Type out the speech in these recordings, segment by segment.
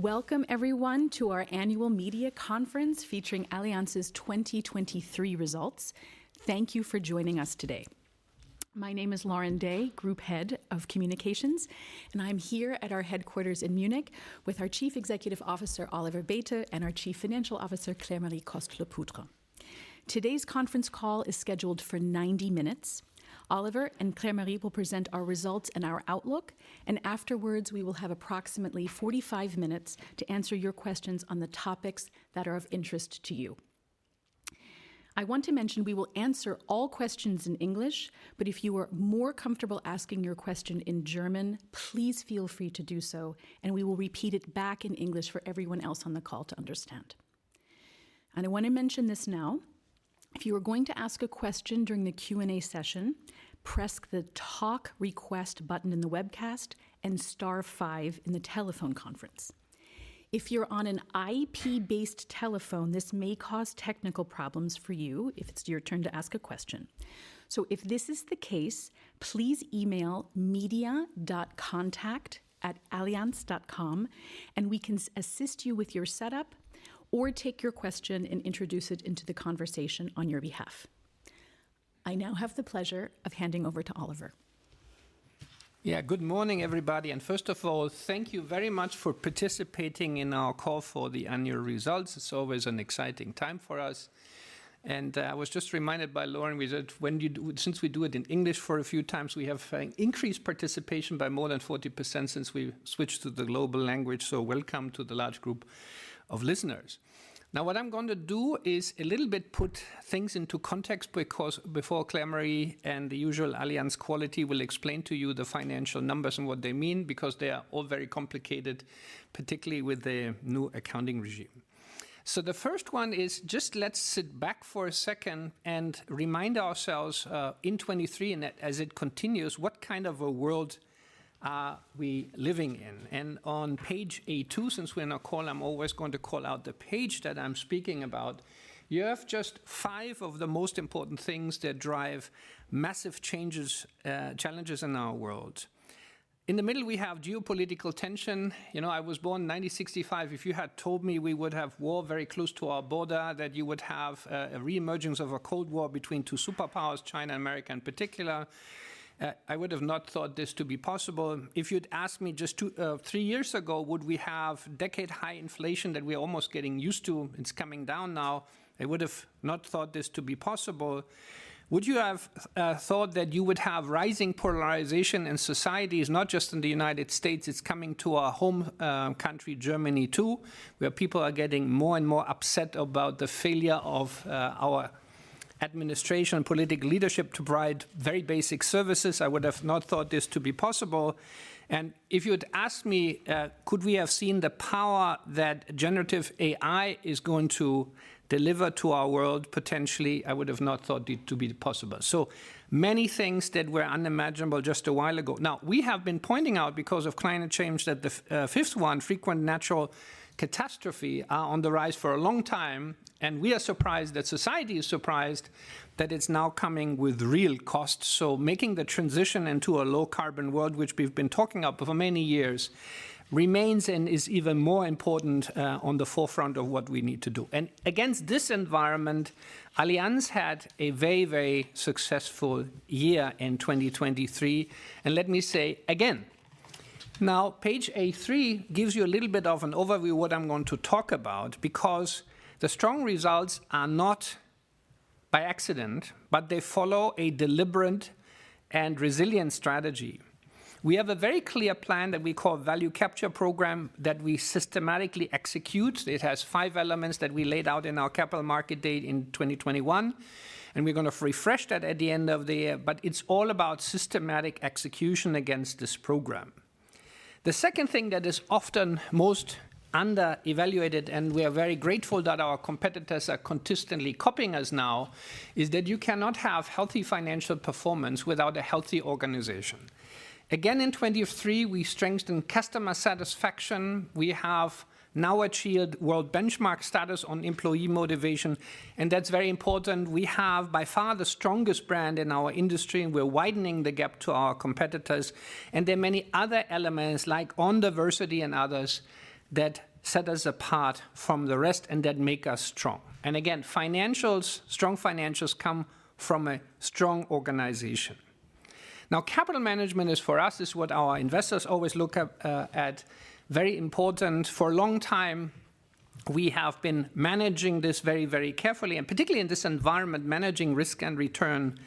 Welcome, everyone, to our annual media conference featuring Allianz's 2023 results. Thank you for joining us today. My name is Lauren Day, Group Head of Communications, and I'm here at our headquarters in Munich with our Chief Executive Officer Oliver Bäte and our Chief Financial Officer Claire-Marie Coste-Lepoutre. Today's conference call is scheduled for 90 minutes. Oliver and Claire-Marie will present our results and our outlook, and afterwards we will have approximately 45 minutes to answer your questions on the topics that are of interest to you. I want to mention we will answer all questions in English, but if you are more comfortable asking your question in German, please feel free to do so, and we will repeat it back in English for everyone else on the call to understand. I want to mention this now. If you are going to ask a question during the Q&A session, press the Talk Request button in the webcast and star five in the telephone conference. If you're on an IP-based telephone, this may cause technical problems for you if it's your turn to ask a question. So if this is the case, please email media.contact@allianz.com and we can assist you with your setup or take your question and introduce it into the conversation on your behalf. I now have the pleasure of handing over to Oliver. Yeah, good morning, everybody. First of all, thank you very much for participating in our call for the annual results. It's always an exciting time for us. I was just reminded by Lauren that since we do it in English for a few times, we have increased participation by more than 40% since we switched to the global language. Welcome to the large group of listeners. Now, what I'm going to do is a little bit put things into context because before Claire-Marie and the usual Allianz quality will explain to you the financial numbers and what they mean because they are all very complicated, particularly with the new accounting regime. The first one is just let's sit back for a second and remind ourselves in 2023 and as it continues, what kind of a world are we living in? On page A2, since we're in a call, I'm always going to call out the page that I'm speaking about. You have just five of the most important things that drive massive changes, challenges in our world. In the middle, we have geopolitical tension. You know, I was born in 1965. If you had told me we would have war very close to our border, that you would have a reemergence of a Cold War between two superpowers, China and America in particular, I would have not thought this to be possible. If you'd asked me just three years ago, would we have decade-high inflation that we're almost getting used to? It's coming down now. I would have not thought this to be possible. Would you have thought that you would have rising polarization in societies, not just in the United States? It's coming to our home country, Germany, too, where people are getting more and more upset about the failure of our administration and political leadership to provide very basic services. I would have not thought this to be possible. And if you'd asked me, could we have seen the power that generative AI is going to deliver to our world potentially, I would have not thought it to be possible. So many things that were unimaginable just a while ago. Now, we have been pointing out because of climate change that the fifth one, frequent natural catastrophe, are on the rise for a long time. And we are surprised that society is surprised that it's now coming with real costs. Making the transition into a low-carbon world, which we've been talking about for many years, remains and is even more important on the forefront of what we need to do. Against this environment, Allianz had a very, very successful year in 2023. Let me say again, now, page A3 gives you a little bit of an overview of what I'm going to talk about because the strong results are not by accident, but they follow a deliberate and resilient strategy. We have a very clear plan that we call Value Capture Program that we systematically execute. It has five elements that we laid out in our Capital Market Day in 2021, and we're going to refresh that at the end of the year. But it's all about systematic execution against this program. The second thing that is often most underevaluated, and we are very grateful that our competitors are consistently copying us now, is that you cannot have healthy financial performance without a healthy organization. Again, in 2023, we strengthened customer satisfaction. We have now achieved world benchmark status on employee motivation. That's very important. We have by far the strongest brand in our industry, and we're widening the gap to our competitors. There are many other elements, like on diversity and others, that set us apart from the rest and that make us strong. Again, financials, strong financials come from a strong organization. Now, capital management is for us, is what our investors always look at, very important. For a long time, we have been managing this very, very carefully, and particularly in this environment, managing risk and return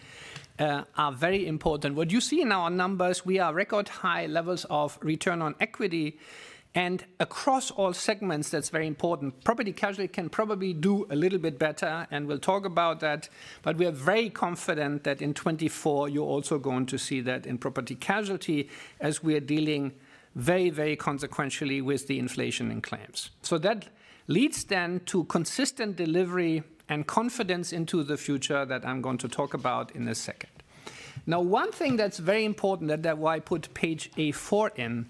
are very important. What you see in our numbers, we are record high levels of return on equity. Across all segments, that's very important. Property casualty can probably do a little bit better, and we'll talk about that. But we are very confident that in 2024, you're also going to see that in property casualty as we are dealing very, very consequentially with the inflation and claims. So that leads then to consistent delivery and confidence into the future that I'm going to talk about in a second. Now, one thing that's very important that's why I put page A4 in.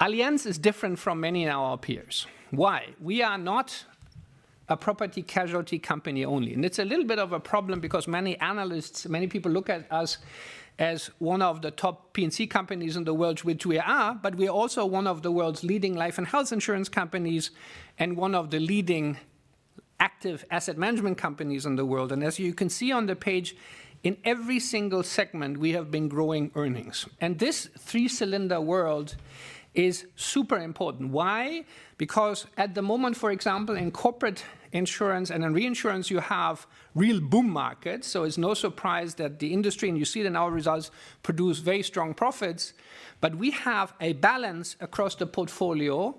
Allianz is different from many of our peers. Why? We are not a property casualty company only. It's a little bit of a problem because many analysts, many people look at us as one of the top P&C companies in the world, which we are, but we are also one of the world's leading life and health insurance companies and one of the leading active asset management companies in the world. As you can see on the page, in every single segment, we have been growing earnings. This three-cylinder world is super important. Why? Because at the moment, for example, in corporate insurance and in reinsurance, you have real boom markets. So it's no surprise that the industry, and you see it in our results, produces very strong profits. But we have a balance across the portfolio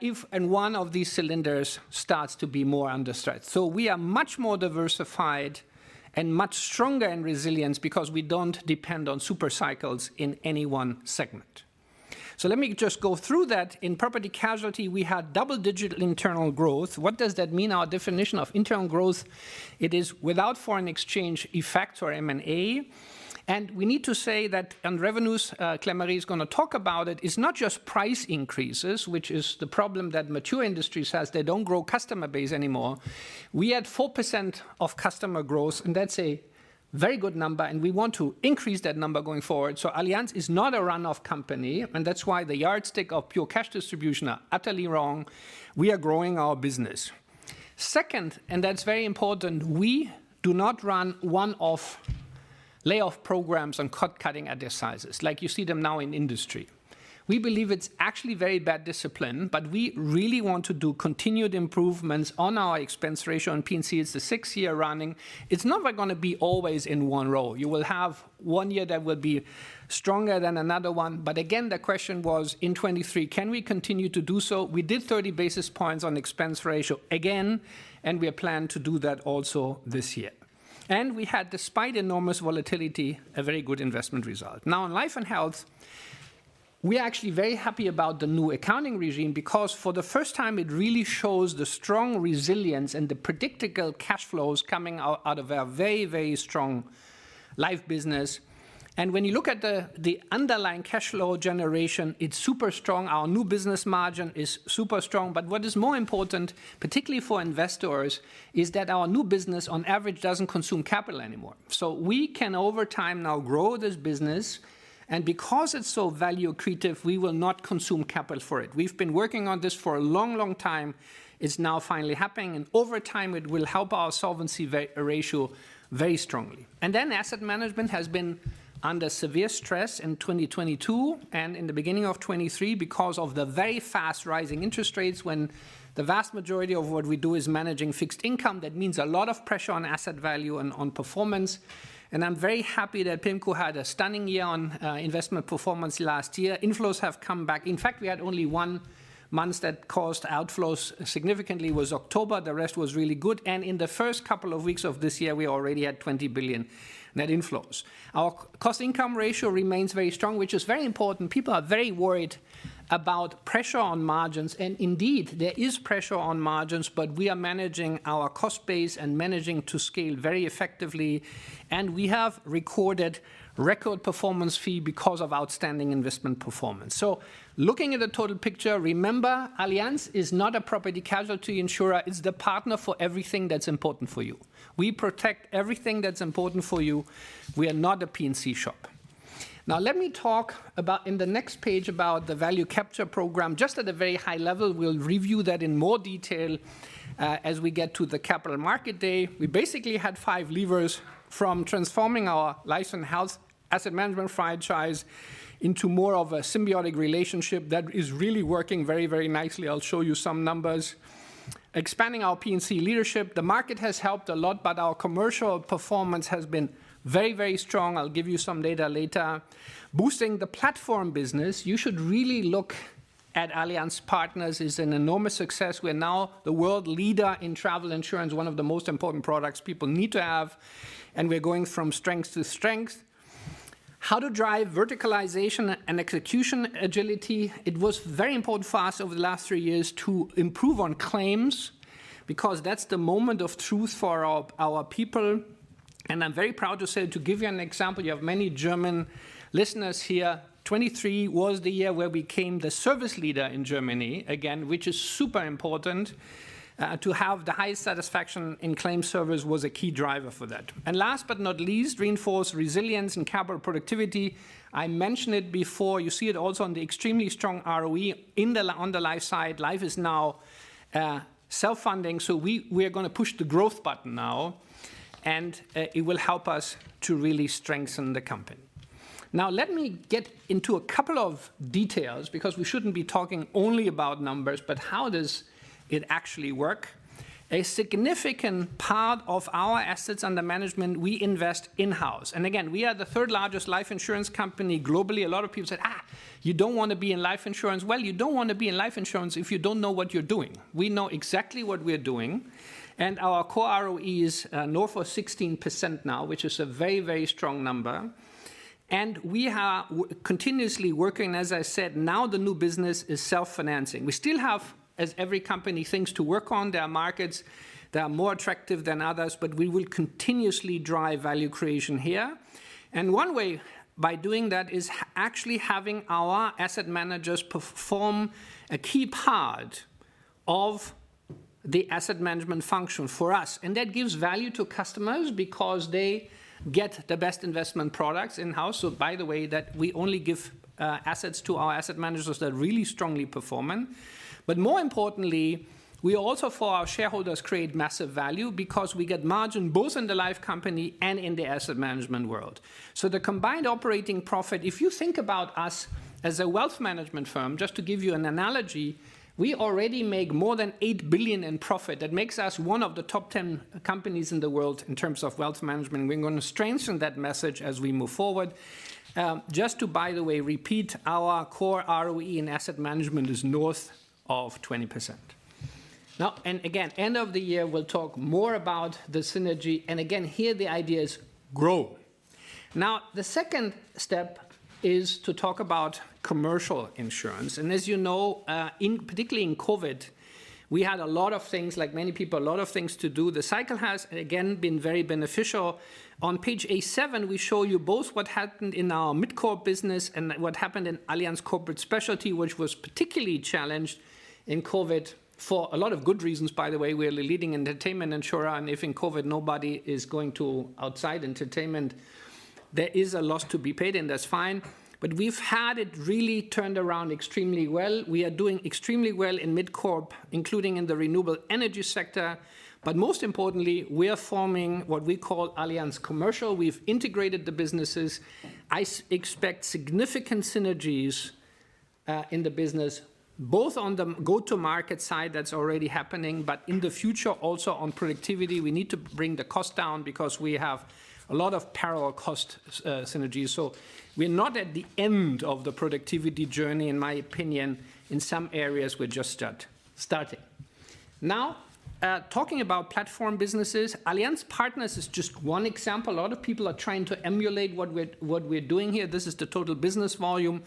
if and when one of these cylinders starts to be more under stress. So we are much more diversified and much stronger in resilience because we don't depend on super cycles in any one segment. So let me just go through that. In property casualty, we had double-digit internal growth. What does that mean? Our definition of internal growth, it is without foreign exchange effects, or M&A. And we need to say that on revenues, Claire-Marie is going to talk about it, it's not just price increases, which is the problem that mature industries have. They don't grow customer base anymore. We had 4% of customer growth, and that's a very good number. And we want to increase that number going forward. So Allianz is not a run-off company. And that's why the yardstick of pure cash distribution is utterly wrong. We are growing our business. Second, and that's very important, we do not run one-off layoff programs and cost cutting at their sizes, like you see them now in industry. We believe it's actually very bad discipline, but we really want to do continued improvements on our expense ratio on P&C. It's a six-year running. It's not going to be always in one row. You will have one year that will be stronger than another one. But again, the question was, in 2023, can we continue to do so? We did 30 basis points on expense ratio again, and we plan to do that also this year. And we had, despite enormous volatility, a very good investment result. Now, on life and health, we are actually very happy about the new accounting regime because for the first time, it really shows the strong resilience and the predictable cash flows coming out of our very, very strong life business. And when you look at the underlying cash flow generation, it's super strong. Our new business margin is super strong. But what is more important, particularly for investors, is that our new business, on average, doesn't consume capital anymore. So we can, over time, now grow this business. And because it's so value creative, we will not consume capital for it. We've been working on this for a long, long time. It's now finally happening. And over time, it will help our solvency ratio very strongly. Asset management has been under severe stress in 2022 and in the beginning of 2023 because of the very fast rising interest rates when the vast majority of what we do is managing fixed income. That means a lot of pressure on asset value and on performance. I'm very happy that PIMCO had a stunning year on investment performance last year. Inflows have come back. In fact, we had only one month that caused outflows significantly was October. The rest was really good. In the first couple of weeks of this year, we already had 20 billion net inflows. Our cost-income ratio remains very strong, which is very important. People are very worried about pressure on margins. Indeed, there is pressure on margins, but we are managing our cost base and managing to scale very effectively. And we have recorded record performance fee because of outstanding investment performance. So looking at the total picture, remember, Allianz is not a property casualty insurer. It's the partner for everything that's important for you. We protect everything that's important for you. We are not a P&C shop. Now, let me talk about in the next page about the Value Capture Program. Just at a very high level, we'll review that in more detail as we get to the Capital Market Day. We basically had five levers from transforming our life and health asset management franchise into more of a symbiotic relationship that is really working very, very nicely. I'll show you some numbers. Expanding our P&C leadership, the market has helped a lot, but our commercial performance has been very, very strong. I'll give you some data later. Boosting the platform business, you should really look at Allianz Partners as an enormous success. We are now the world leader in travel insurance, one of the most important products people need to have. And we're going from strength to strength. How to drive verticalization and execution agility, it was very important for us over the last three years to improve on claims because that's the moment of truth for our people. And I'm very proud to say, to give you an example, you have many German listeners here. 2023 was the year where we became the service leader in Germany, again, which is super important. To have the highest satisfaction in claims service was a key driver for that. And last but not least, reinforce resilience and capital productivity. I mentioned it before. You see it also on the extremely strong ROE on the life side. Life is now self-funding. So we are going to push the growth button now, and it will help us to really strengthen the company. Now, let me get into a couple of details because we shouldn't be talking only about numbers, but how does it actually work? A significant part of our assets under management, we invest in-house. And again, we are the third largest life insurance company globally. A lot of people said, "you don't want to be in life insurance." Well, you don't want to be in life insurance if you don't know what you're doing. We know exactly what we're doing. And our core ROE is north of 16% now, which is a very, very strong number. And we are continuously working, as I said, now the new business is self-financing. We still have, as every company thinks, to work on. There are markets that are more attractive than others, but we will continuously drive value creation here. One way by doing that is actually having our asset managers perform a key part of the asset management function for us. That gives value to customers because they get the best investment products in-house. By the way, we only give assets to our asset managers that really strongly perform. More importantly, we also, for our shareholders, create massive value because we get margin both in the life company and in the asset management world. The combined operating profit, if you think about us as a wealth management firm, just to give you an analogy, we already make more than 8 billion in profit. That makes us one of the top 10 companies in the world in terms of wealth management. We're going to strengthen that message as we move forward. Just to, by the way, repeat, our core ROE in asset management is north of 20%. Now, and again, end of the year, we'll talk more about the synergy. And again, here, the idea is grow. Now, the second step is to talk about commercial insurance. And as you know, particularly in COVID, we had a lot of things, like many people, a lot of things to do. The cycle has, again, been very beneficial. On page A7, we show you both what happened in our MidCorp business and what happened in Allianz Corporate Specialty, which was particularly challenged in COVID for a lot of good reasons, by the way. We are the leading entertainment insurer. And if in COVID nobody is going to outside entertainment, there is a loss to be paid, and that's fine. But we've had it really turned around extremely well. We are doing extremely well in mid-corp, including in the renewable energy sector. But most importantly, we are forming what we call Allianz Commercial. We've integrated the businesses. I expect significant synergies in the business, both on the go-to-market side that's already happening, but in the future, also on productivity. We need to bring the cost down because we have a lot of parallel cost synergies. So we're not at the end of the productivity journey, in my opinion. In some areas, we're just starting. Now, talking about platform businesses, Allianz Partners is just one example. A lot of people are trying to emulate what we're doing here. This is the total business volume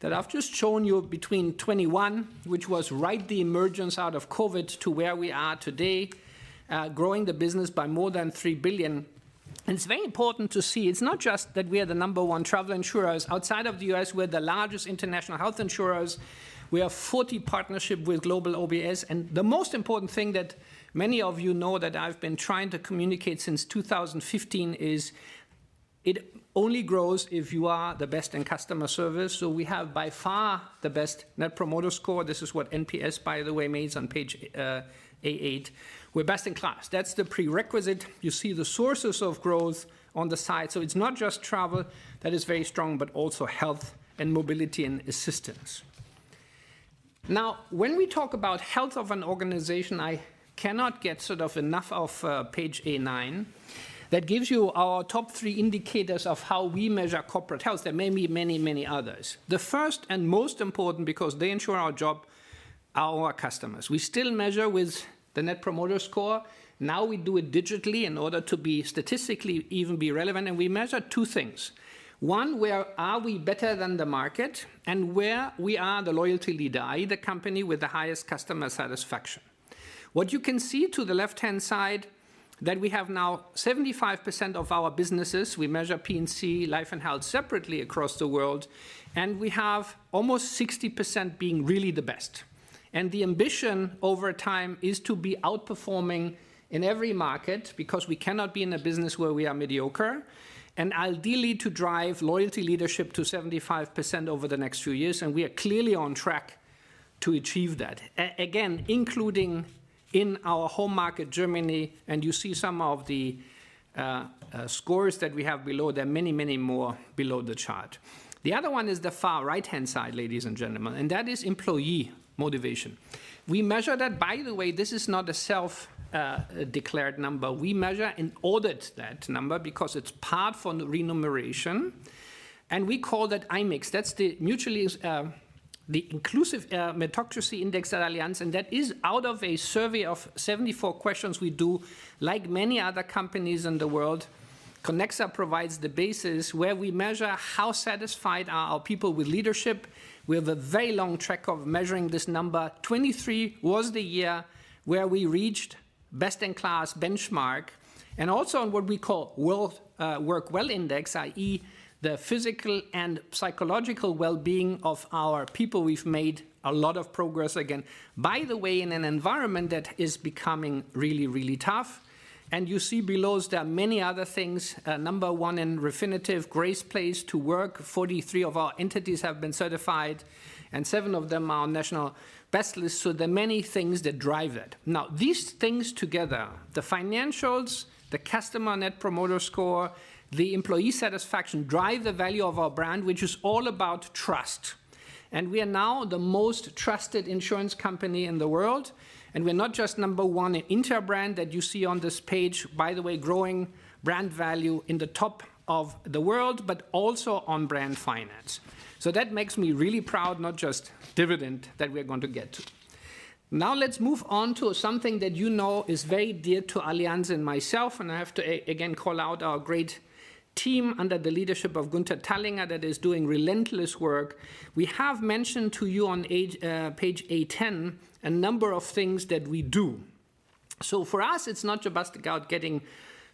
that I've just shown you between 2021, which was right the emergence out of COVID to where we are today, growing the business by more than 3 billion. It's very important to see, it's not just that we are the number one travel insurers. Outside of the U.S., we're the largest international health insurers. We have 40 partnerships with Global OEMs. The most important thing that many of you know that I've been trying to communicate since 2015 is it only grows if you are the best in customer service. We have by far the best net promoter score. This is what NPS, by the way, made on page A8. We're best in class. That's the prerequisite. You see the sources of growth on the side. So it's not just travel that is very strong, but also health and mobility and assistance. Now, when we talk about health of an organization, I cannot get sort of enough of page A9. That gives you our top three indicators of how we measure corporate health. There may be many, many others. The first and most important, because they ensure our job, our customers. We still measure with the Net Promoter Score. Now we do it digitally in order to be statistically even be relevant. And we measure two things. One, where are we better than the market and where we are the loyalty leader, the company with the highest customer satisfaction. What you can see to the left-hand side, that we have now 75% of our businesses, we measure P&C, life and health separately across the world, and we have almost 60% being really the best. The ambition over time is to be outperforming in every market because we cannot be in a business where we are mediocre. Ideally, to drive loyalty leadership to 75% over the next few years. We are clearly on track to achieve that, again, including in our home market, Germany. You see some of the scores that we have below. There are many, many more below the chart. The other one is the far right-hand side, ladies and gentlemen, and that is employee motivation. We measure that, by the way; this is not a self-declared number. We measure and audit that number because it's part of the remuneration. We call that IMIX. That's the Inclusive Meritocracy Index at Allianz. That is out of a survey of 74 questions we do, like many other companies in the world. Kincentric provides the basis where we measure how satisfied are our people with leadership. We have a very long track record of measuring this number. 2023 was the year where we reached best-in-class benchmark and also on what we call Work Well Index, i.e., the physical and psychological well-being of our people. We've made a lot of progress, again, by the way, in an environment that is becoming really, really tough. And you see below there are many other things. Number one in Refinitiv, Great Place to Work. 43 of our entities have been certified, and seven of them are on national best lists. So there are many things that drive that. Now, these things together, the financials, the customer net promoter score, the employee satisfaction, drive the value of our brand, which is all about trust. And we are now the most trusted insurance company in the world. We're not just number one in Interbrand that you see on this page, by the way, growing brand value in the top of the world, but also on Brand Finance. So that makes me really proud, not just dividend, that we are going to get to. Now, let's move on to something that you know is very dear to Allianz and myself. And I have to, again, call out our great team under the leadership of Günther Thallinger that is doing relentless work. We have mentioned to you on page A10 a number of things that we do. So for us, it's not just about getting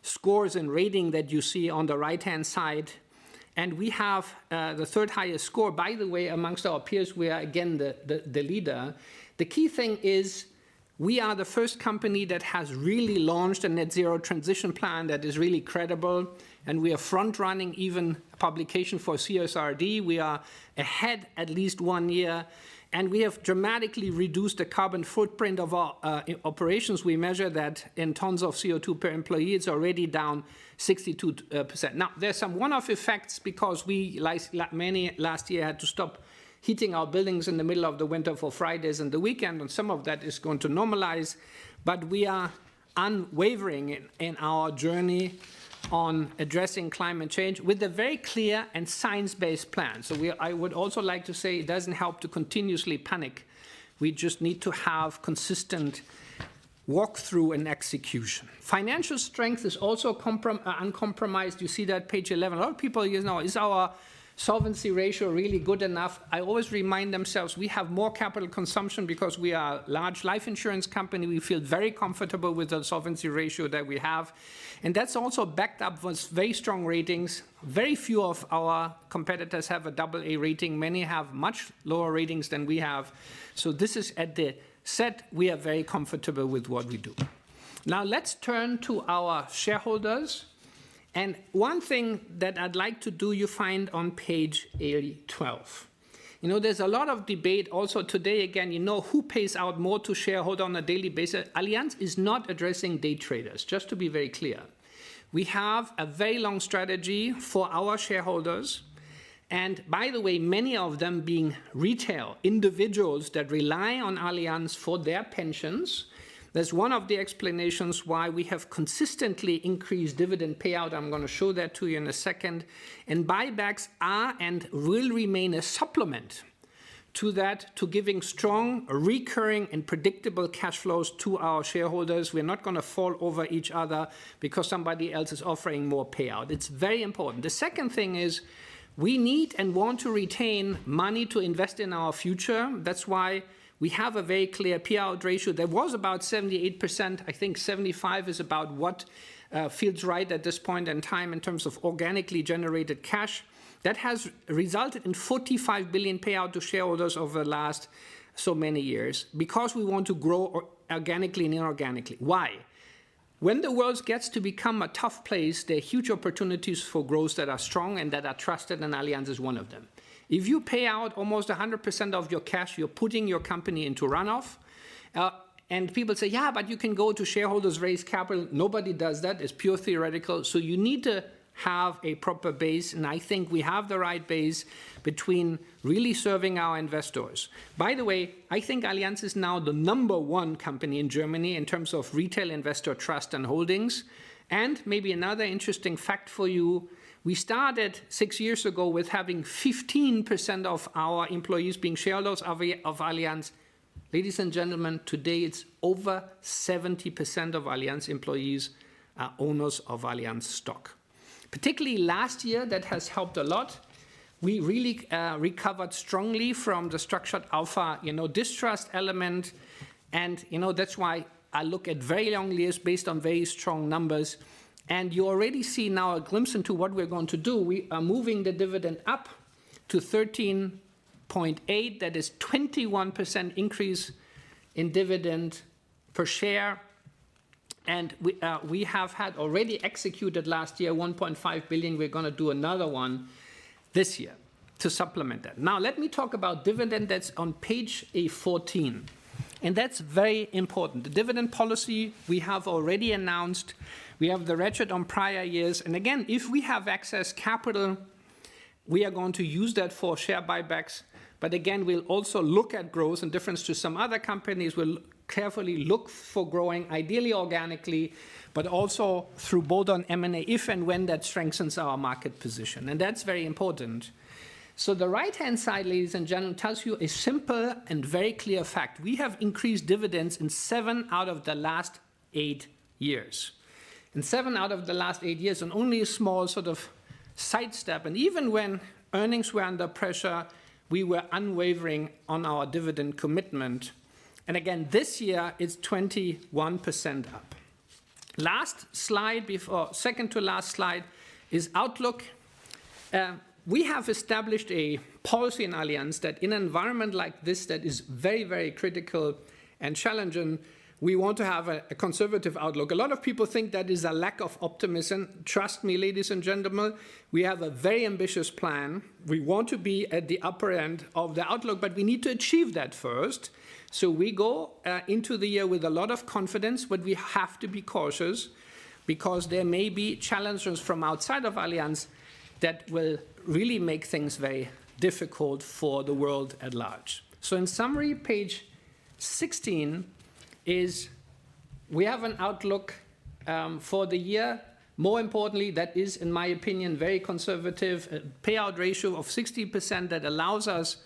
scores and rating that you see on the right-hand side. And we have the third highest score, by the way, amongst our peers. We are, again, the leader. The key thing is we are the first company that has really launched a net-zero transition plan that is really credible. And we are front-running even a publication for CSRD. We are ahead at least one year. And we have dramatically reduced the carbon footprint of our operations. We measure that in tons of CO2 per employee. It's already down 62%. Now, there are some one-off effects because we, like many last year, had to stop heating our buildings in the middle of the winter for Fridays and the weekend. And some of that is going to normalize. But we are unwavering in our journey on addressing climate change with a very clear and science-based plan. So I would also like to say it doesn't help to continuously panic. We just need to have consistent walkthrough and execution. Financial strength is also uncompromised. You see that page 11. A lot of people, you know, is our solvency ratio really good enough? I always remind themselves, we have more capital consumption because we are a large life insurance company. We feel very comfortable with the solvency ratio that we have. That's also backed up with very strong ratings. Very few of our competitors have a double A rating. Many have much lower ratings than we have. So this is at the set. We are very comfortable with what we do. Now, let's turn to our shareholders. One thing that I'd like to do, you find on page A12. You know, there's a lot of debate also today. Again, you know who pays out more to shareholders on a daily basis. Allianz is not addressing day traders, just to be very clear. We have a very long strategy for our shareholders. And by the way, many of them being retail, individuals that rely on Allianz for their pensions. That's one of the explanations why we have consistently increased dividend payout. I'm going to show that to you in a second. And buybacks are and will remain a supplement to that, to giving strong, recurring, and predictable cash flows to our shareholders. We are not going to fall over each other because somebody else is offering more payout. It's very important. The second thing is we need and want to retain money to invest in our future. That's why we have a very clear payout ratio. There was about 78%. I think 75 is about what feels right at this point in time in terms of organically generated cash that has resulted in 45 billion payout to shareholders over the last so many years because we want to grow organically and inorganically. Why? When the world gets to become a tough place, there are huge opportunities for growth that are strong and that are trusted, and Allianz is one of them. If you pay out almost 100% of your cash, you're putting your company into runoff. And people say, "Yeah, but you can go to shareholders, raise capital." Nobody does that. It's pure theoretical. So you need to have a proper base. And I think we have the right base between really serving our investors. By the way, I think Allianz is now the number one company in Germany in terms of retail investor trust and holdings. Maybe another interesting fact for you, we started six years ago with having 15% of our employees being shareholders of Allianz. Ladies and gentlemen, today it's over 70% of Allianz employees are owners of Allianz stock. Particularly last year, that has helped a lot. We really recovered strongly from the Structured Alpha, you know, distrust element. And, you know, that's why I look at very long years based on very strong numbers. And you already see now a glimpse into what we're going to do. We are moving the dividend up to 13.8. That is a 21% increase in dividend per share. And we have had already executed last year 1.5 billion. We're going to do another one this year to supplement that. Now, let me talk about dividend that's on page A14. And that's very important. The dividend policy, we have already announced. We have the ratchet on prior years. And again, if we have excess capital, we are going to use that for share buybacks. But again, we'll also look at growth and differently to some other companies. We'll carefully look for growing, ideally organically, but also through bolt-on M&A, if and when that strengthens our market position. And that's very important. So the right-hand side, ladies and gentlemen, tells you a simple and very clear fact. We have increased dividends in seven out of the last eight years. In seven out of the last eight years, and only a small sort of sidestep. And even when earnings were under pressure, we were unwavering on our dividend commitment. And again, this year it's 21% up. Last slide before, second to last slide is outlook. We have established a policy in Allianz that in an environment like this, that is very, very critical and challenging, we want to have a conservative outlook. A lot of people think that is a lack of optimism. Trust me, ladies and gentlemen, we have a very ambitious plan. We want to be at the upper end of the outlook, but we need to achieve that first. So we go into the year with a lot of confidence, but we have to be cautious because there may be challengers from outside of Allianz that will really make things very difficult for the world at large. So in summary, page 16 is we have an outlook for the year. More importantly, that is, in my opinion, very conservative, a payout ratio of 60% that allows us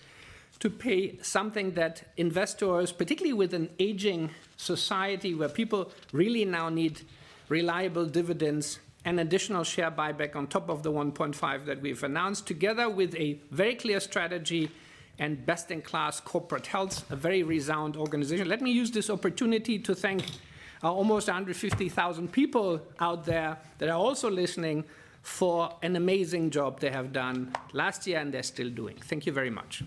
to pay something that investors, particularly with an aging society where people really now need reliable dividends and additional share buyback on top of the 1.5 that we've announced, together with a very clear strategy and best-in-class corporate health, a very resound organization. Let me use this opportunity to thank our almost 150,000 people out there that are also listening for an amazing job they have done last year and they're still doing. Thank you very much.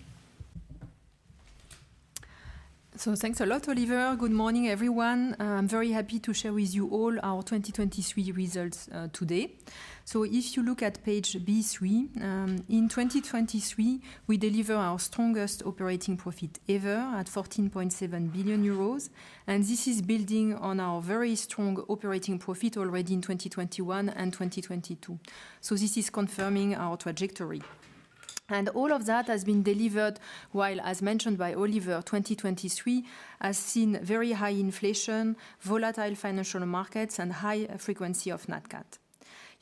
So thanks a lot, Oliver. Good morning, everyone. I'm very happy to share with you all our 2023 results today. So if you look at page B3, in 2023, we deliver our strongest operating profit ever at 14.7 billion euros. This is building on our very strong operating profit already in 2021 and 2022. So this is confirming our trajectory. And all of that has been delivered while, as mentioned by Oliver, 2023 has seen very high inflation, volatile financial markets, and high frequency of nat cat.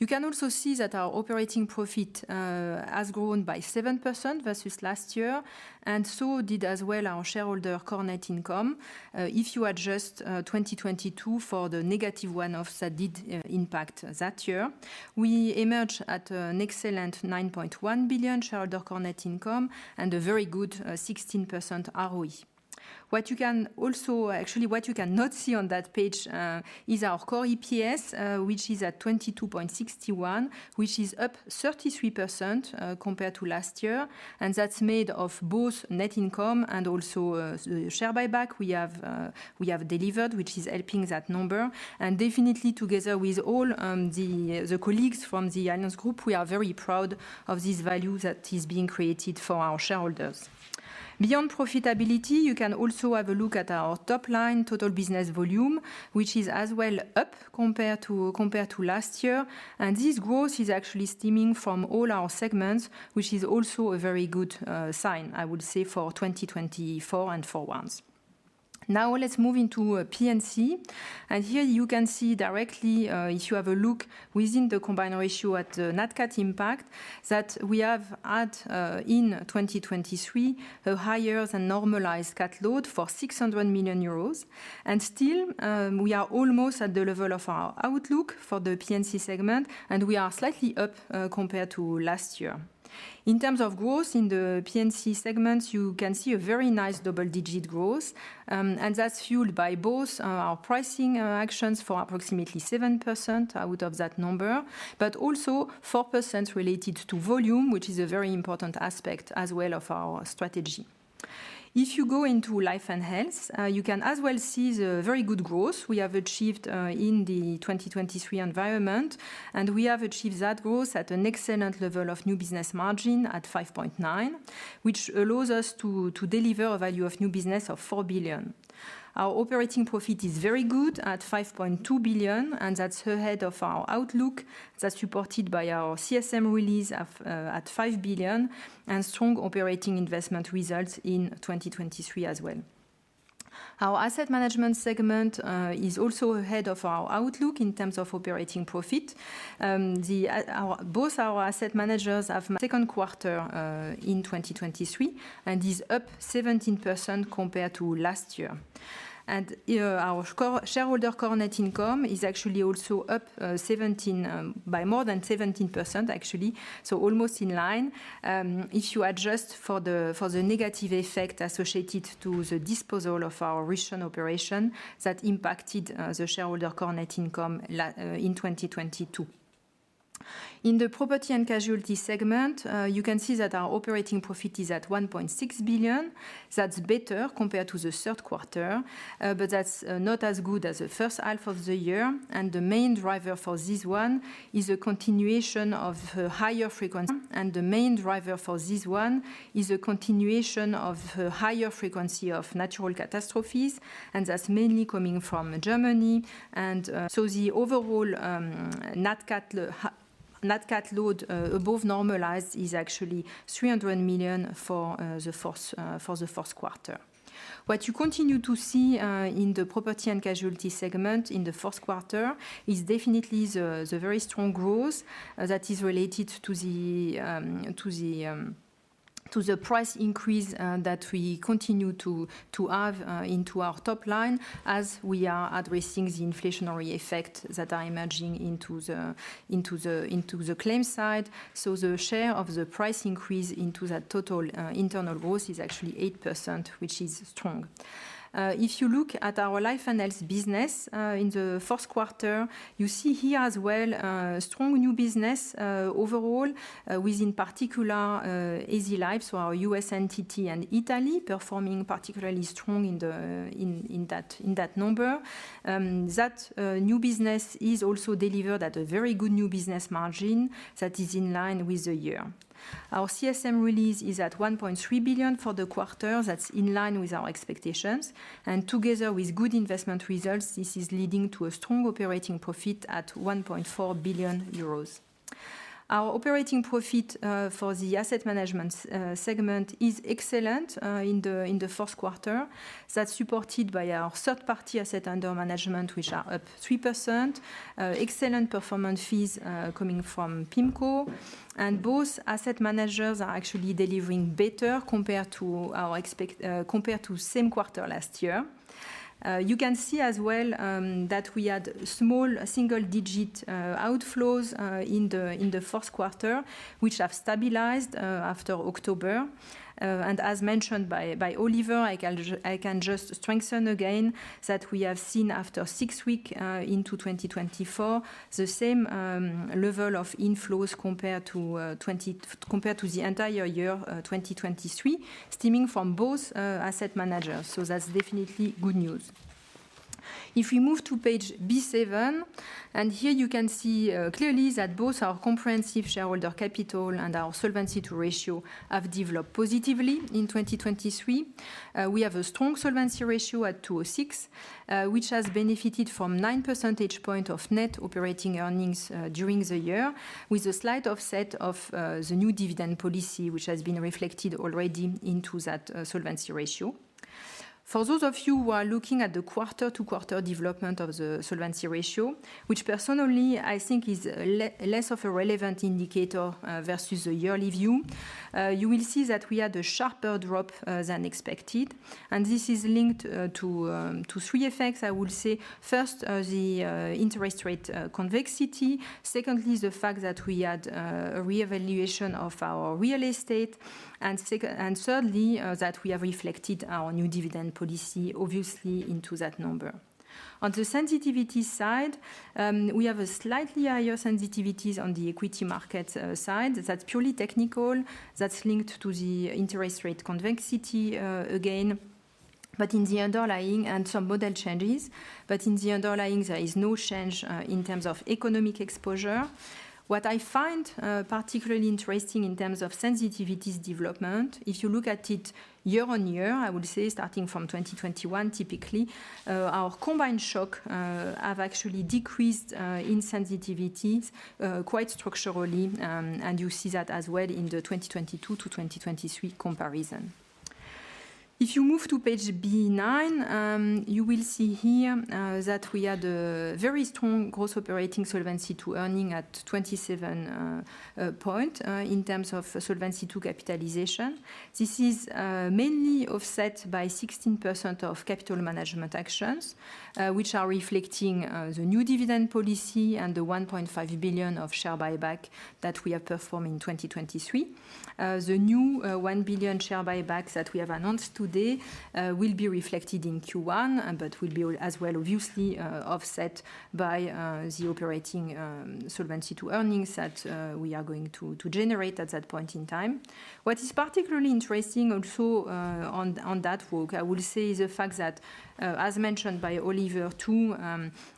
You can also see that our operating profit has grown by 7% versus last year. And so did as well our shareholder net income. If you adjust 2022 for the negative one-offs that did impact that year, we emerge at an excellent 9.1 billion shareholder net income and a very good 16% ROE. What you can also, actually, what you cannot see on that page is our core EPS, which is at 22.61, which is up 33% compared to last year. And that's made of both net income and also the share buyback we have delivered, which is helping that number. Definitely, together with all the colleagues from the Allianz Group, we are very proud of this value that is being created for our shareholders. Beyond profitability, you can also have a look at our top line, total business volume, which is as well up compared to last year. This growth is actually stemming from all our segments, which is also a very good sign, I would say, for 2024 and forwards. Now, let's move into P&C. Here you can see directly, if you have a look within the combined ratio at the NatCat impact, that we have had in 2023 a higher than normalized cat load for 600 million euros. Still, we are almost at the level of our outlook for the P&C segment. We are slightly up compared to last year. In terms of growth in the P&C segments, you can see a very nice double-digit growth. That's fueled by both our pricing actions for approximately 7% out of that number, but also 4% related to volume, which is a very important aspect as well of our strategy. If you go into life and health, you can as well see the very good growth we have achieved in the 2023 environment. We have achieved that growth at an excellent level of new business margin at 5.9, which allows us to deliver a value of new business of 4 billion. Our operating profit is very good at 5.2 billion. That's ahead of our outlook. That's supported by our CSM release at 5 billion and strong operating investment results in 2023 as well. Our asset management segment is also ahead of our outlook in terms of operating profit. Both our asset managers have second quarter in 2023. It is up 17% compared to last year. Our shareholder net income is actually also up 17% by more than 17%, actually. So almost in line. If you adjust for the negative effect associated to the disposal of our recent operation, that impacted the shareholder net income in 2022. In the property and casualty segment, you can see that our operating profit is at 1.6 billion. That's better compared to the third quarter. But that's not as good as the first half of the year. The main driver for this one is a continuation of higher frequency. And the main driver for this one is a continuation of higher frequency of natural catastrophes. And that's mainly coming from Germany. So the overall net cat load above normalized is actually 300 million for the fourth quarter. What you continue to see in the property and casualty segment in the fourth quarter is definitely the very strong growth that is related to the price increase that we continue to have into our top line as we are addressing the inflationary effect that are emerging into the claim side. The share of the price increase into that total internal growth is actually 8%, which is strong. If you look at our life and health business in the fourth quarter, you see here as well strong new business overall within particular Allianz Life. Our U.S. entity and Italy performing particularly strong in that number. That new business is also delivered at a very good new business margin that is in line with the year. Our CSM release is at 1.3 billion for the quarter. That's in line with our expectations. And together with good investment results, this is leading to a strong operating profit at 1.4 billion euros. Our operating profit for the asset management segment is excellent in the fourth quarter. That's supported by our third-party asset under management, which are up 3%. Excellent performance fees coming from PIMCO. And both asset managers are actually delivering better compared to our same quarter last year. You can see as well that we had small single-digit outflows in the fourth quarter, which have stabilized after October. And as mentioned by Oliver, I can just strengthen again that we have seen after six weeks into 2024 the same level of inflows compared to the entire year 2023, stemming from both asset managers. So that's definitely good news. If we move to page B7, and here you can see clearly that both our comprehensive shareholder capital and our Solvency II ratio have developed positively in 2023. We have a strong solvency ratio at 206, which has benefited from 9 percentage points of net operating earnings during the year with a slight offset of the new dividend policy, which has been reflected already into that solvency ratio. For those of you who are looking at the quarter-to-quarter development of the solvency ratio, which personally, I think, is less of a relevant indicator versus the yearly view, you will see that we had a sharper drop than expected. This is linked to three effects, I would say. First, the interest rate convexity. Secondly, the fact that we had a reevaluation of our real estate. And thirdly, that we have reflected our new dividend policy, obviously, into that number. On the sensitivity side, we have a slightly higher sensitivities on the equity market side. That's purely technical. That's linked to the interest rate convexity again. But in the underlying and some model changes, but in the underlying, there is no change in terms of economic exposure. What I find particularly interesting in terms of sensitivities development, if you look at it year-on-year, I would say, starting from 2021, typically, our combined shocks have actually decreased in sensitivities quite structurally. And you see that as well in the 2022 to 2023 comparison. If you move to page B9, you will see here that we had a very strong gross operating Solvency II earning at 27 points in terms of Solvency II capitalization. This is mainly offset by 16% of capital management actions, which are reflecting the new dividend policy and the 1.5 billion of share buyback that we have performed in 2023. The new 1 billion share buyback that we have announced today will be reflected in Q1, but will be as well, obviously, offset by the operating solvency to earnings that we are going to generate at that point in time. What is particularly interesting also on that work, I would say, is the fact that, as mentioned by Oliver too,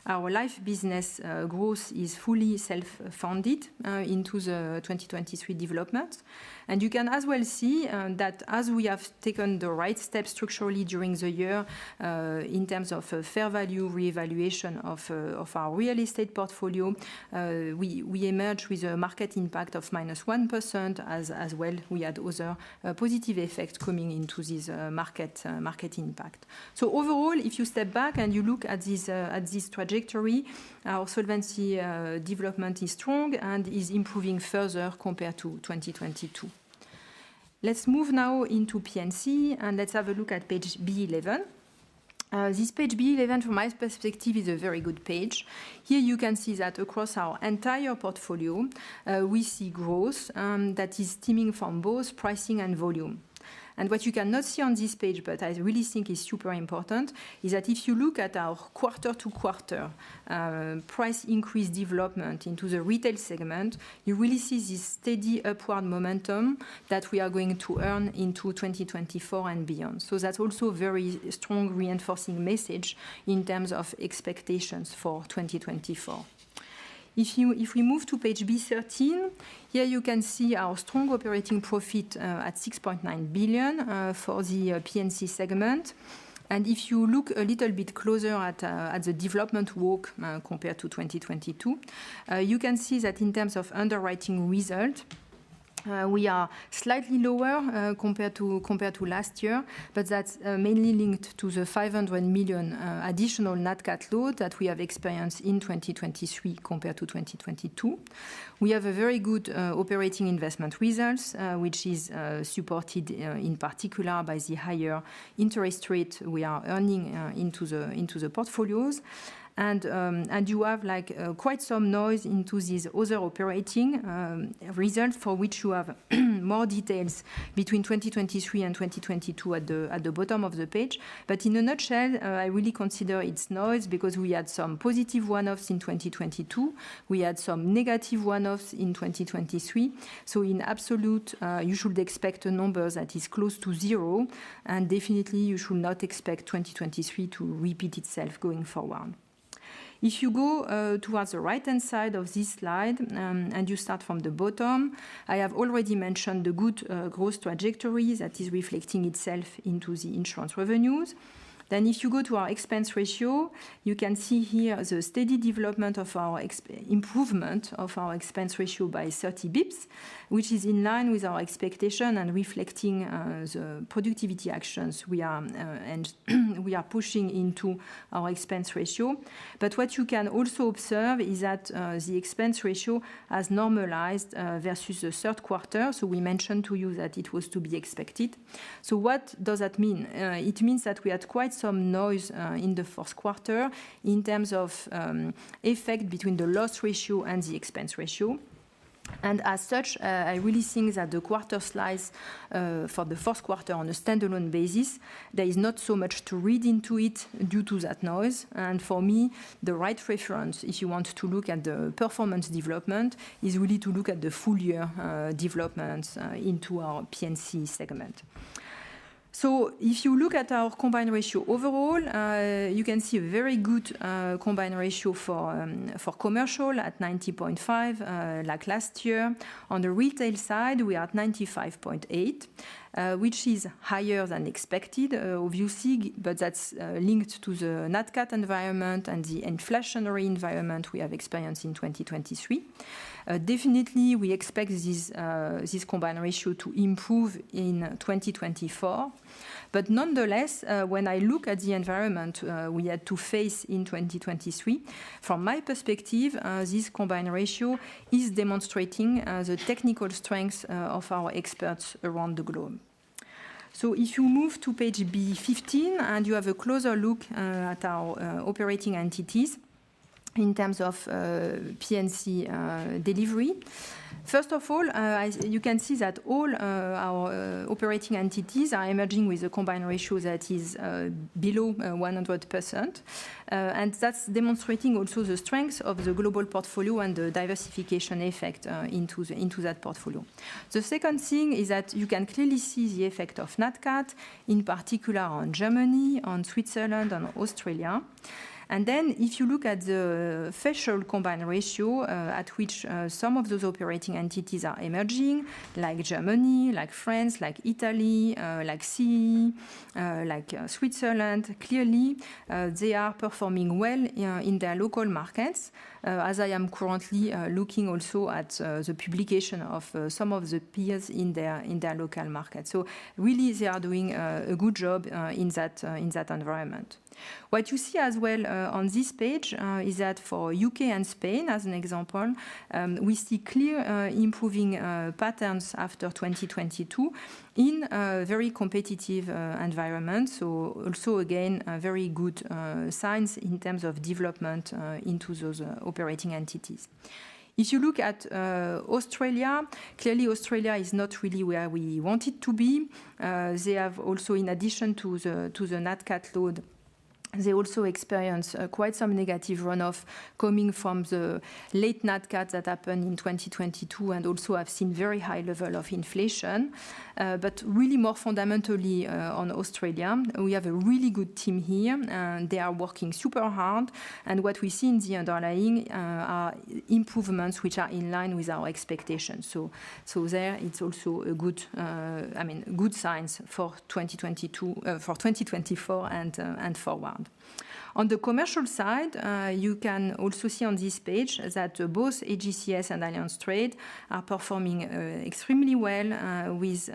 our life business growth is fully self-funded into the 2023 development. And you can as well see that as we have taken the right steps structurally during the year in terms of fair value reevaluation of our real estate portfolio, we emerge with a market impact of -1% as well. We had other positive effects coming into this market impact. So overall, if you step back and you look at this trajectory, our solvency development is strong and is improving further compared to 2022. Let's move now into P&C. Let's have a look at page B11. This page B11, from my perspective, is a very good page. Here, you can see that across our entire portfolio, we see growth that is stemming from both pricing and volume. And what you cannot see on this page, but I really think is super important, is that if you look at our quarter-to-quarter price increase development into the retail segment, you really see this steady upward momentum that we are going to earn into 2024 and beyond. So that's also a very strong reinforcing message in terms of expectations for 2024. If we move to page B13, here, you can see our strong operating profit at 6.9 billion for the P&C segment. If you look a little bit closer at the development work compared to 2022, you can see that in terms of underwriting result, we are slightly lower compared to last year. That's mainly linked to the 500 million additional net cut load that we have experienced in 2023 compared to 2022. We have a very good operating investment results, which is supported in particular by the higher interest rate we are earning into the portfolios. You have quite some noise into these other operating results for which you have more details between 2023 and 2022 at the bottom of the page. In a nutshell, I really consider it's noise because we had some positive one-offs in 2022. We had some negative one-offs in 2023. So in absolute, you should expect a number that is close to zero. Definitely, you should not expect 2023 to repeat itself going forward. If you go towards the right-hand side of this slide and you start from the bottom, I have already mentioned the good growth trajectory that is reflecting itself into the insurance revenues. If you go to our expense ratio, you can see here the steady development of our improvement of our expense ratio by 30 basis points, which is in line with our expectation and reflecting the productivity actions we are pushing into our expense ratio. But what you can also observe is that the expense ratio has normalized versus the third quarter. We mentioned to you that it was to be expected. What does that mean? It means that we had quite some noise in the fourth quarter in terms of effects between the loss ratio and the expense ratio. As such, I really think that the quarter slice for the fourth quarter on a standalone basis, there is not so much to read into it due to that noise. For me, the right reference, if you want to look at the performance development, is really to look at the full year developments into our P&C segment. If you look at our combined ratio overall, you can see a very good combined ratio for commercial at 90.5 like last year. On the retail side, we are at 95.8, which is higher than expected, obviously. That's linked to the nat cat environment and the inflationary environment we have experienced in 2023. Definitely, we expect this combined ratio to improve in 2024. Nonetheless, when I look at the environment we had to face in 2023, from my perspective, this combined ratio is demonstrating the technical strengths of our experts around the globe. So if you move to page B15 and you have a closer look at our operating entities in terms of P&C delivery, first of all, you can see that all our operating entities are emerging with a combined ratio that is below 100%. And that's demonstrating also the strengths of the global portfolio and the diversification effect into that portfolio. The second thing is that you can clearly see the effect of NatCat, in particular on Germany, on Switzerland, and Australia. And then if you look at the favorable combined ratio at which some of those operating entities are emerging, like Germany, like France, like Italy, like CEE, like Switzerland, clearly, they are performing well in their local markets as I am currently looking also at the publication of some of the peers in their local markets. So really, they are doing a good job in that environment. What you see as well on this page is that for UK and Spain, as an example, we see clear improving patterns after 2022 in a very competitive environment. So also, again, very good signs in terms of development into those operating entities. If you look at Australia, clearly, Australia is not really where we want it to be. They have also, in addition to the net cat load, they also experience quite some negative runoff coming from the late net cat that happened in 2022. And also, I've seen very high level of inflation. But really, more fundamentally on Australia, we have a really good team here. They are working super hard. And what we see in the underlying are improvements which are in line with our expectations. So there, it's also a good, I mean, good signs for 2024 and forward. On the commercial side, you can also see on this page that both AGCS and Allianz Trade are performing extremely well with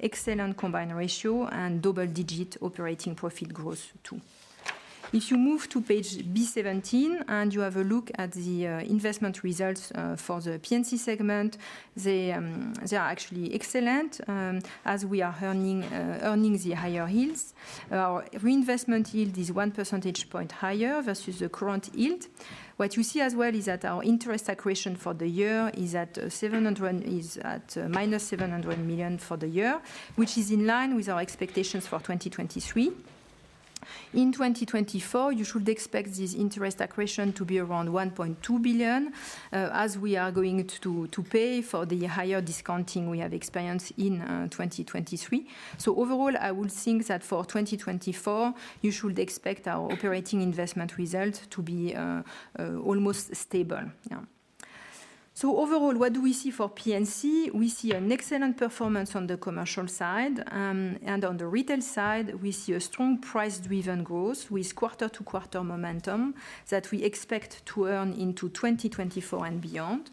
excellent combined ratio and double-digit operating profit growth too. If you move to page B17 and you have a look at the investment results for the P&C segment, they are actually excellent as we are earning the higher yields. Our reinvestment yield is 1 percentage point higher versus the current yield. What you see as well is that our interest accretion for the year is at -700 million for the year, which is in line with our expectations for 2023. In 2024, you should expect this interest accretion to be around 1.2 billion as we are going to pay for the higher discounting we have experienced in 2023. So overall, I would think that for 2024, you should expect our operating investment result to be almost stable. So overall, what do we see for P&C? We see an excellent performance on the commercial side. On the retail side, we see a strong price-driven growth with quarter-to-quarter momentum that we expect to earn into 2024 and beyond.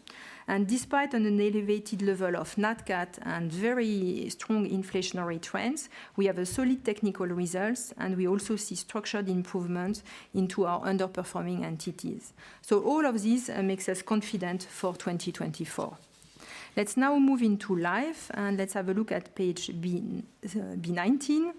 Despite an elevated level of net cat and very strong inflationary trends, we have a solid technical results. We also see structured improvements into our underperforming entities. So all of this makes us confident for 2024. Let's now move into life. Let's have a look at page B19.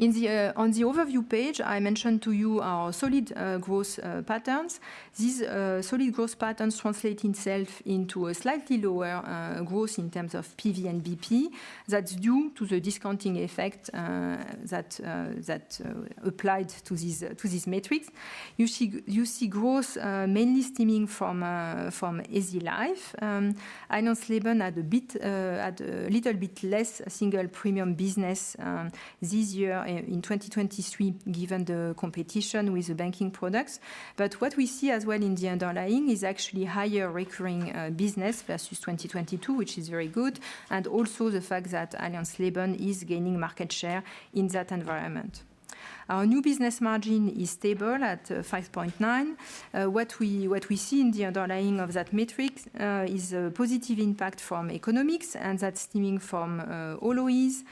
On the overview page, I mentioned to you our solid growth patterns. These solid growth patterns translate itself into a slightly lower growth in terms of PVNBP that's due to the discounting effect that applied to these metrics. You see growth mainly stemming from Allianz Life. Allianz Leben had a little bit less single premium business this year in 2023 given the competition with the banking products. But what we see as well in the underlying is actually higher recurring business versus 2022, which is very good. Also the fact that Allianz Leben is gaining market share in that environment. Our new business margin is stable at 5.9%. What we see in the underlying of that metric is a positive impact from economics and that's stemming from all OEs.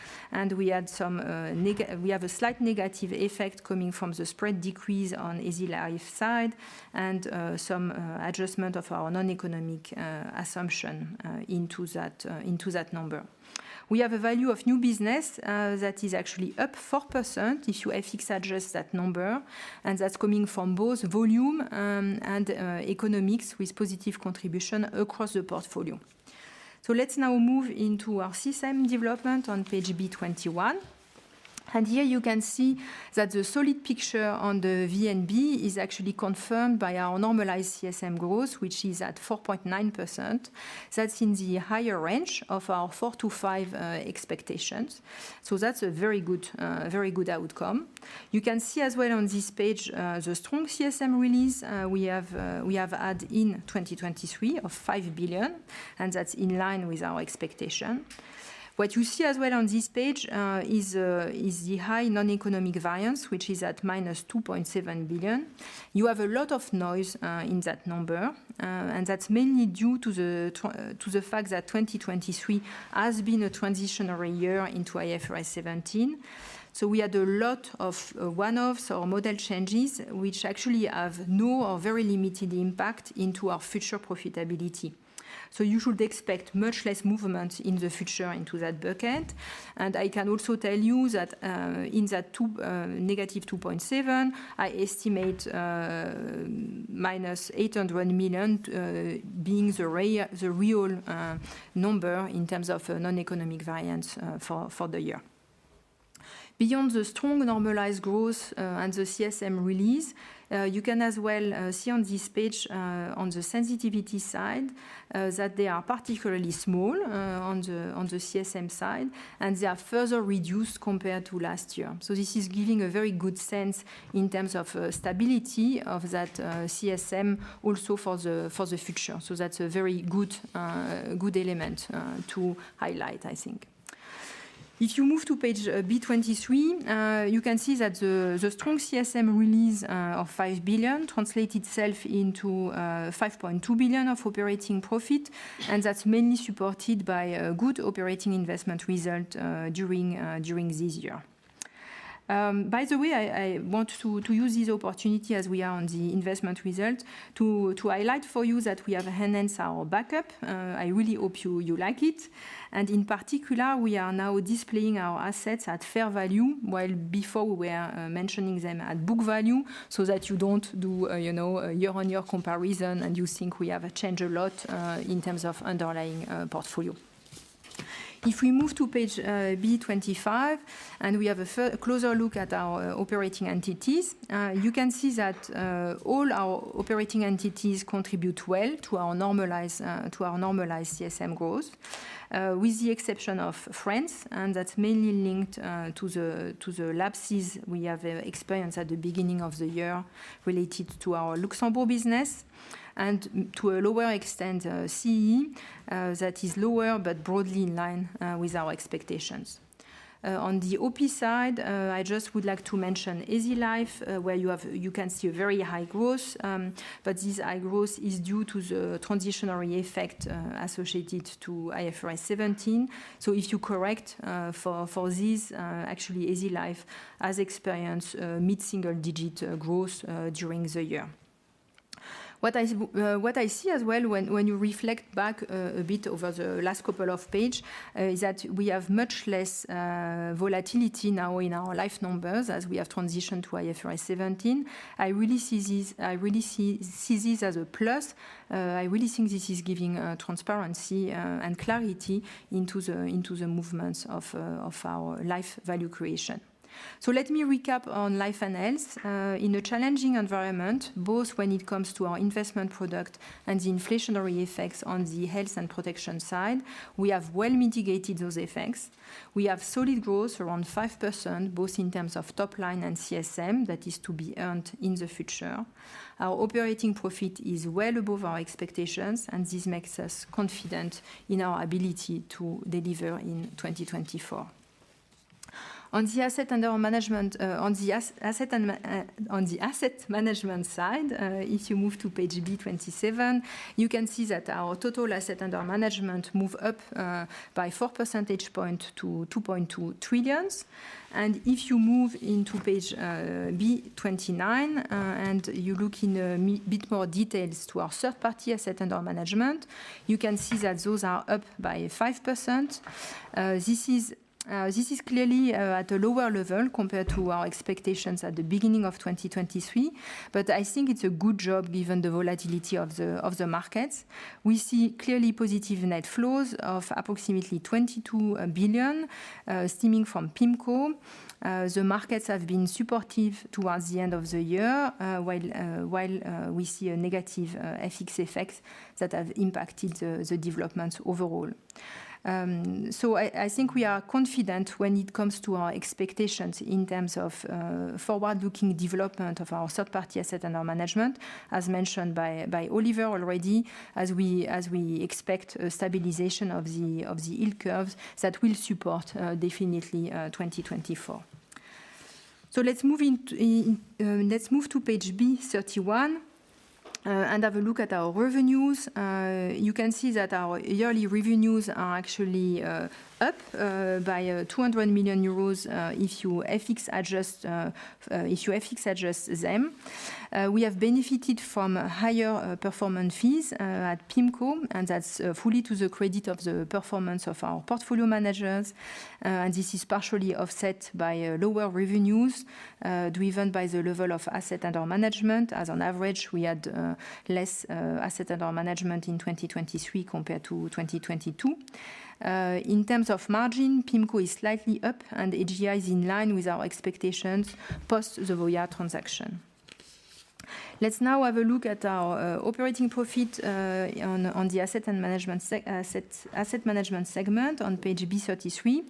We have a slight negative effect coming from the spread decrease on Allianz Life side and some adjustment of our non-economic assumption into that number. We have a value of new business that is actually up 4% if you FX-adjust that number. And that's coming from both volume and economics with positive contribution across the portfolio. So let's now move into our CSM development on page B21. And here, you can see that the solid picture on the VNB is actually confirmed by our normalized CSM growth, which is at 4.9%. That's in the higher range of our 4%-5% expectations. So that's a very good outcome. You can see as well on this page the strong CSM release we have had in 2023 of 5 billion. That's in line with our expectation. What you see as well on this page is the high non-economic variance, which is at minus 2.7 billion. You have a lot of noise in that number. That's mainly due to the fact that 2023 has been a transitionary year into IFRS 17. We had a lot of one-offs or model changes, which actually have no or very limited impact into our future profitability. You should expect much less movement in the future into that bucket. I can also tell you that in that negative 2.7, I estimate minus 800 million being the real number in terms of non-economic variance for the year. Beyond the strong normalized growth and the CSM release, you can as well see on this page on the sensitivity side that they are particularly small on the CSM side. They are further reduced compared to last year. This is giving a very good sense in terms of stability of that CSM also for the future. That's a very good element to highlight, I think. If you move to page B23, you can see that the strong CSM release of 5 billion translates itself into 5.2 billion of operating profit. That's mainly supported by good operating investment result during this year. By the way, I want to use this opportunity, as we are on the investment result, to highlight for you that we have enhanced our backup. I really hope you like it. In particular, we are now displaying our assets at fair value while before we were mentioning them at book value so that you don't do a year-on-year comparison and you think we have changed a lot in terms of underlying portfolio. If we move to page B25 and we have a closer look at our operating entities, you can see that all our operating entities contribute well to our normalized CSM growth with the exception of France. That's mainly linked to the lapses we have experienced at the beginning of the year related to our Luxembourg business and to a lower extent CEE that is lower but broadly in line with our expectations. On the OP side, I just would like to mention Allianz Life where you can see a very high growth. But this high growth is due to the transitory effect associated to IFRS 17. So if you correct for this, actually, Allianz Life has experienced mid-single-digit growth during the year. What I see as well when you reflect back a bit over the last couple of pages is that we have much less volatility now in our life numbers as we have transitioned to IFRS 17. I really see this as a plus. I really think this is giving transparency and clarity into the movements of our life value creation. So let me recap on life and health. In a challenging environment, both when it comes to our investment product and the inflationary effects on the health and protection side, we have well mitigated those effects. We have solid growth around 5% both in terms of top line and CSM that is to be earned in the future. Our operating profit is well above our expectations. This makes us confident in our ability to deliver in 2024. On the assets under management on the asset management side, if you move to page B27, you can see that our total assets under management move up by 4 percentage points to 2.2 trillion. If you move into page B29 and you look in a bit more details to our third-party assets under management, you can see that those are up by 5%. This is clearly at a lower level compared to our expectations at the beginning of 2023. I think it's a good job given the volatility of the markets. We see clearly positive net flows of approximately 22 billion stemming from PIMCO. The markets have been supportive towards the end of the year while we see a negative FX effect that has impacted the developments overall. So I think we are confident when it comes to our expectations in terms of forward-looking development of our third-party assets under management, as mentioned by Oliver already, as we expect a stabilization of the yield curves that will support definitely 2024. So let's move to page B31 and have a look at our revenues. You can see that our yearly revenues are actually up by 200 million euros if you FX-adjust them. We have benefited from higher performance fees at PIMCO. And that's fully to the credit of the performance of our portfolio managers. And this is partially offset by lower revenues driven by the level of assets under management. As an average, we had less assets under management in 2023 compared to 2022. In terms of margin, PIMCO is slightly up. And AGI is in line with our expectations post the Voya transaction. Let's now have a look at our operating profit on the asset management segment on page B33.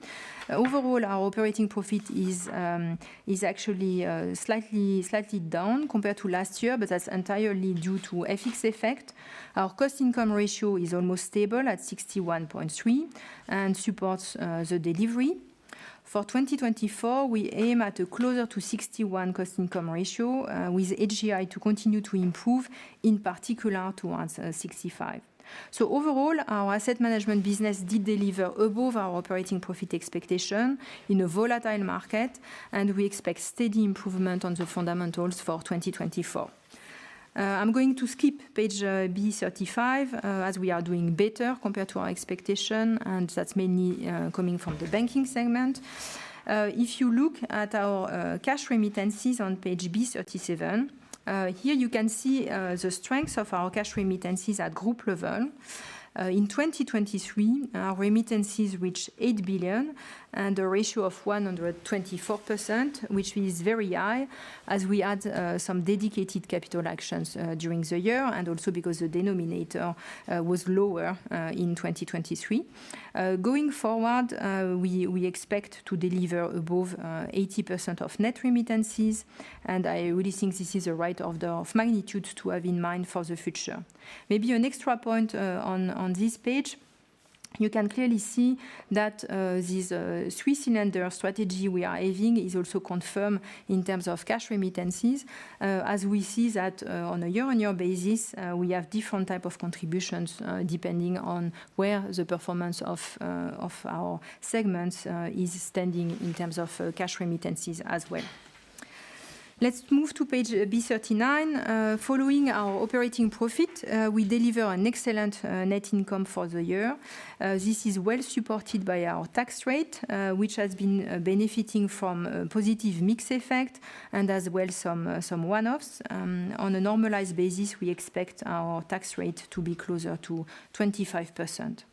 Overall, our operating profit is actually slightly down compared to last year. But that's entirely due to FX effect. Our cost-income ratio is almost stable at 61.3 and supports the delivery. For 2024, we aim at a cost-income ratio closer to 61 with AGI to continue to improve, in particular, towards 65. So overall, our asset management business did deliver above our operating profit expectation in a volatile market. And we expect steady improvement on the fundamentals for 2024. I'm going to skip page B35 as we are doing better compared to our expectation. And that's mainly coming from the banking segment. If you look at our cash remittances on page B37, here, you can see the strength of our cash remittances at group level. In 2023, our remittances reached 8 billion and a ratio of 124%, which is very high as we had some dedicated capital actions during the year and also because the denominator was lower in 2023. Going forward, we expect to deliver above 80% of net remittances. I really think this is a right order of magnitude to have in mind for the future. Maybe an extra point on this page, you can clearly see that this three-cylinder strategy we are aiming is also confirmed in terms of cash remittances as we see that on a year-on-year basis, we have different types of contributions depending on where the performance of our segments is standing in terms of cash remittances as well. Let's move to page B39. Following our operating profit, we deliver an excellent net income for the year. This is well supported by our tax rate, which has been benefiting from a positive mix effect and as well some one-offs. On a normalized basis, we expect our tax rate to be closer to 25%.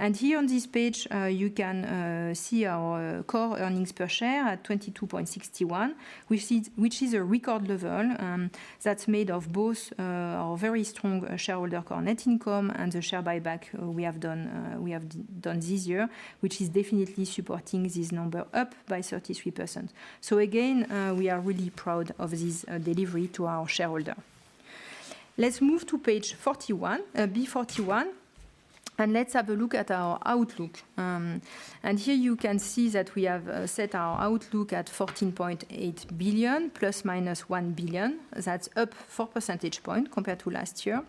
Here, on this page, you can see our core earnings per share at 22.61, which is a record level. That's made of both our very strong shareholder core net income and the share buyback we have done this year, which is definitely supporting this number up by 33%. Again, we are really proud of this delivery to our shareholders. Let's move to page B41. Let's have a look at our outlook. Here, you can see that we have set our outlook at 14.8 billion ± 1 billion. That's up 4 percentage points compared to last year.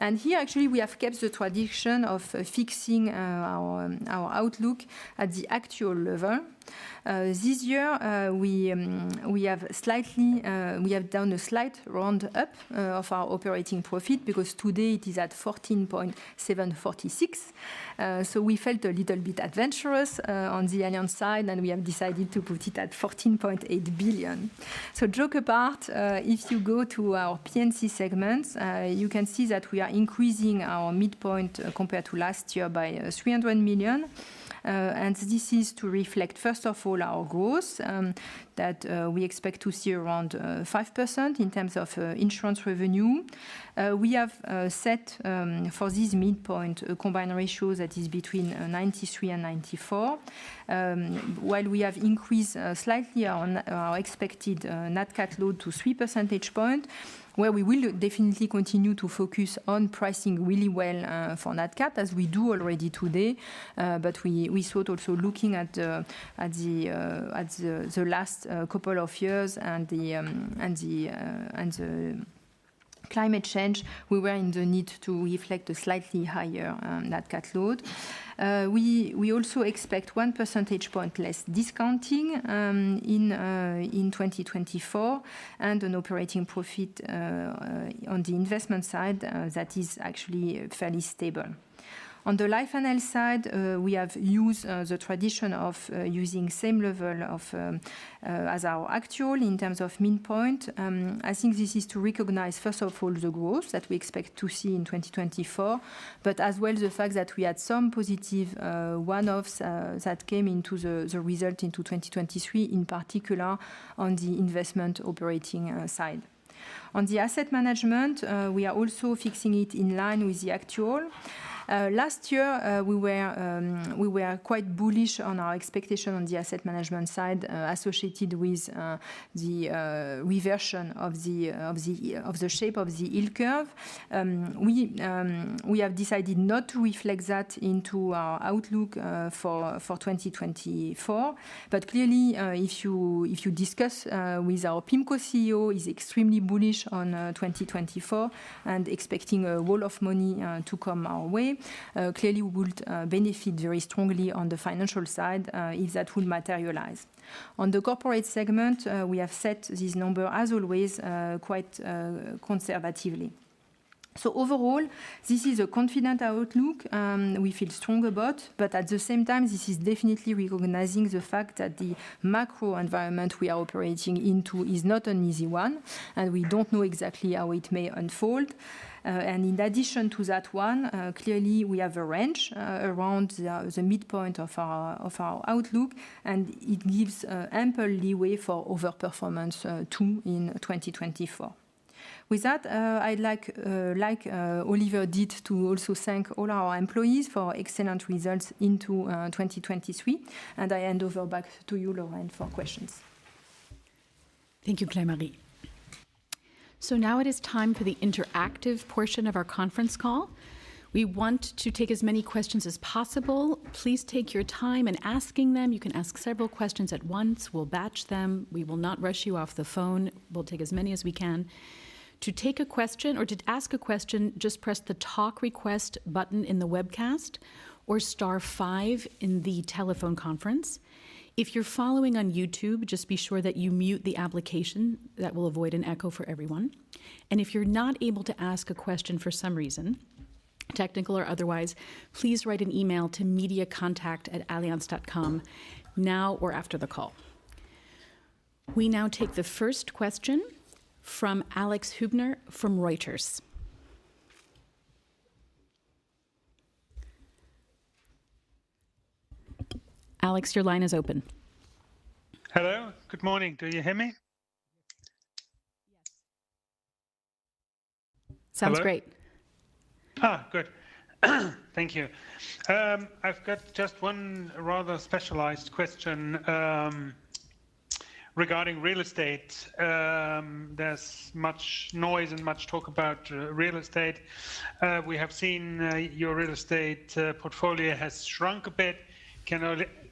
Here, actually, we have kept the tradition of fixing our outlook at the actual level. This year, we have done a slight roundup of our operating profit because today, it is at 14.746 billion. So we felt a little bit adventurous on the Allianz side. And we have decided to put it at 14.8 billion. So joke apart, if you go to our P&C segments, you can see that we are increasing our midpoint compared to last year by 300 million. And this is to reflect, first of all, our growth that we expect to see around 5% in terms of insurance revenue. We have set for this midpoint a combined ratio that is between 93 and 94 while we have increased slightly our expected nat cat load to 3 percentage points where we will definitely continue to focus on pricing really well for nat cat as we do already today. But we thought also looking at the last couple of years and the climate change, we were in the need to reflect a slightly higher nat cat load. We also expect 1 percentage point less discounting in 2024 and an operating profit on the investment side that is actually fairly stable. On the life and health side, we have used the tradition of using the same level as our actual in terms of midpoint. I think this is to recognize, first of all, the growth that we expect to see in 2024 but as well the fact that we had some positive one-offs that came into the result into 2023, in particular, on the investment operating side. On the asset management, we are also fixing it in line with the actual. Last year, we were quite bullish on our expectation on the asset management side associated with the reversion of the shape of the yield curve. We have decided not to reflect that into our outlook for 2024. But clearly, if you discuss with our PIMCO CEO, he's extremely bullish on 2024 and expecting a wall of money to come our way. Clearly, we would benefit very strongly on the financial side if that would materialize. On the corporate segment, we have set this number, as always, quite conservatively. So overall, this is a confident outlook. We feel strong about. But at the same time, this is definitely recognizing the fact that the macro environment we are operating into is not an easy one. And we don't know exactly how it may unfold. And in addition to that one, clearly, we have a range around the midpoint of our outlook. And it gives ample leeway for overperformance too in 2024. With that, I'd like, like Oliver did, to also thank all our employees for excellent results into 2023. And I hand over back to you, Lauren, for questions. Thank you, Claire-Marie. Now it is time for the interactive portion of our conference call. We want to take as many questions as possible. Please take your time in asking them. You can ask several questions at once. We'll batch them. We will not rush you off the phone. We'll take as many as we can. To take a question or to ask a question, just press the talk request button in the webcast or star five in the telephone conference. If you're following on YouTube, just be sure that you mute the application. That will avoid an echo for everyone. If you're not able to ask a question for some reason, technical or otherwise, please write an email to mediacontact@allianz.com now or after the call. We now take the first question from Alexander Hübner from Reuters. Alexander, your line is open. Hello. Good morning. Do you hear me? Yes. Sounds great. Good. Thank you. I've got just one rather specialized question regarding real estate. There's much noise and much talk about real estate. We have seen your real estate portfolio has shrunk a bit.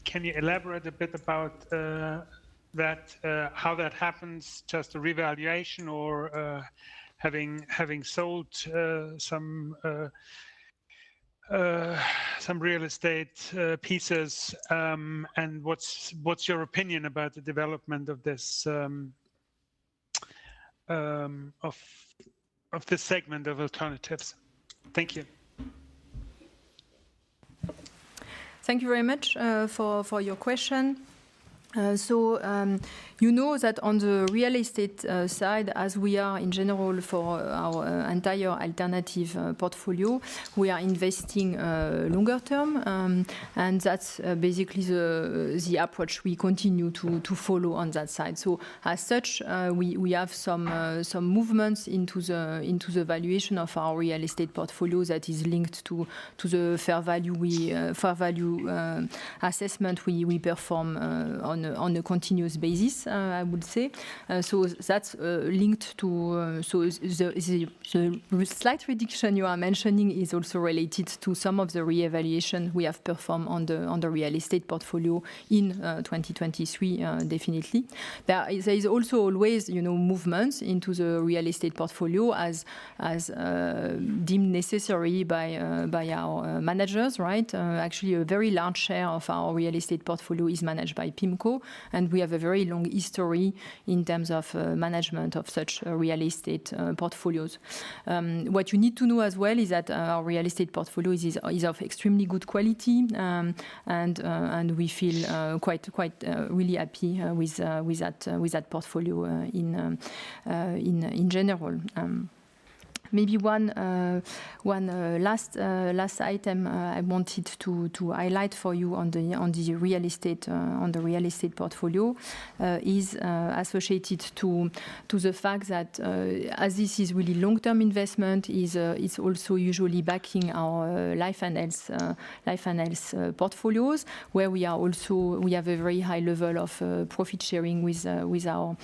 Can you elaborate a bit about how that happens, just a revaluation or having sold some real estate pieces? And what's your opinion about the development of this segment of alternatives? Thank you. Thank you very much for your question. So you know that on the real estate side, as we are in general for our entire alternative portfolio, we are investing longer term. And that's basically the approach we continue to follow on that side. So as such, we have some movements into the valuation of our real estate portfolio that is linked to the fair value assessment we perform on a continuous basis, I would say. So that's linked to the slight reduction you are mentioning is also related to some of the reevaluation we have performed on the real estate portfolio in 2023, definitely. There is also always movements into the real estate portfolio as deemed necessary by our managers. Actually, a very large share of our real estate portfolio is managed by PIMCO. We have a very long history in terms of management of such real estate portfolios. What you need to know as well is that our real estate portfolio is of extremely good quality. We feel quite really happy with that portfolio in general. Maybe one last item I wanted to highlight for you on the real estate portfolio is associated to the fact that as this is really long-term investment, it's also usually backing our life and health portfolios where we have a very high level of profit sharing with our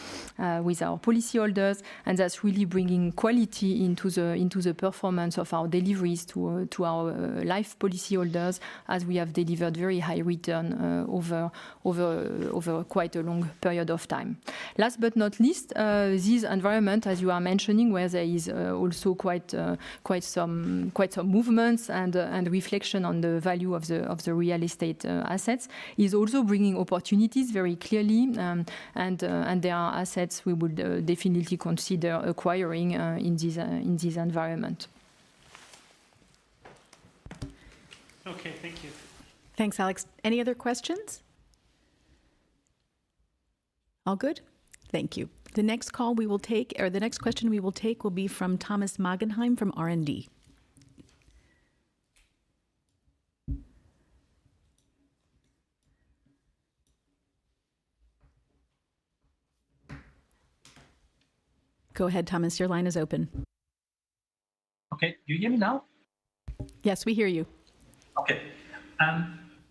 policyholders. That's really bringing quality into the performance of our deliveries to our life policyholders as we have delivered very high return over quite a long period of time. Last but not least, this environment, as you are mentioning, where there is also quite some movements and reflection on the value of the real estate assets, is also bringing opportunities very clearly. There are assets we would definitely consider acquiring in this environment. OK, thank you. Thanks, Alex. Any other questions? All good? Thank you. The next call we will take or the next question we will take will be from Thomas Magenheim-Hörmann from RND. Go ahead, Thomas. Your line is open. OK, do you hear me now? Yes, we hear you. OK.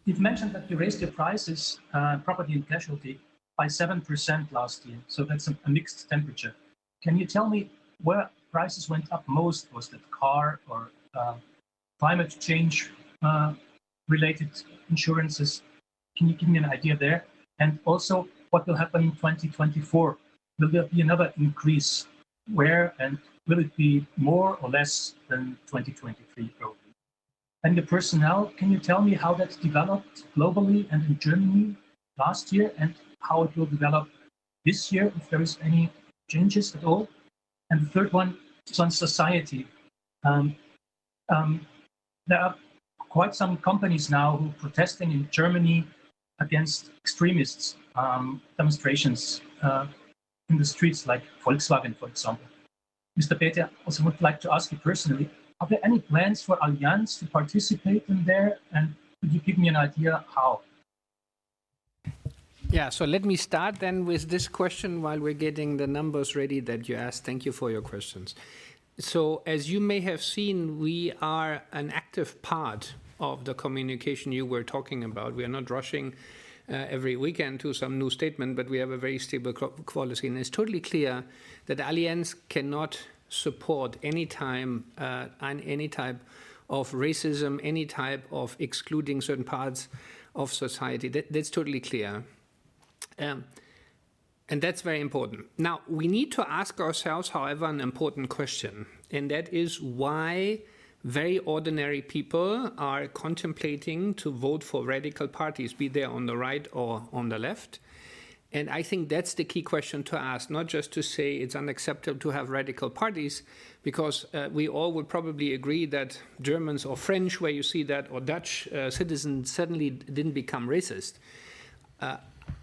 You've mentioned that you raised your prices, property and casualty, by 7% last year. So that's a mixed temperature. Can you tell me where prices went up most? Was that car or climate change-related insurances? Can you give me an idea there? And also, what will happen in 2024? Will there be another increase? Where? And will it be more or less than 2023 probably? And the personnel, can you tell me how that developed globally and in Germany last year and how it will develop this year if there are any changes at all? And the third one is on society. There are quite some companies now who are protesting in Germany against extremist demonstrations in the streets like Volkswagen, for example. Mr. Bäte, I also would like to ask you personally, are there any plans for Allianz to participate in there? Could you give me an idea how? Yeah, so let me start then with this question while we're getting the numbers ready that you asked. Thank you for your questions. As you may have seen, we are an active part of the communication you were talking about. We are not rushing every weekend to some new statement. We have a very stable policy. It's totally clear that Allianz cannot support any time and any type of racism, any type of excluding certain parts of society. That's totally clear. That's very important. Now, we need to ask ourselves, however, an important question. That is why very ordinary people are contemplating to vote for radical parties, be they on the right or on the left. I think that's the key question to ask, not just to say it's unacceptable to have radical parties because we all would probably agree that Germans or French where you see that or Dutch citizens suddenly didn't become racist.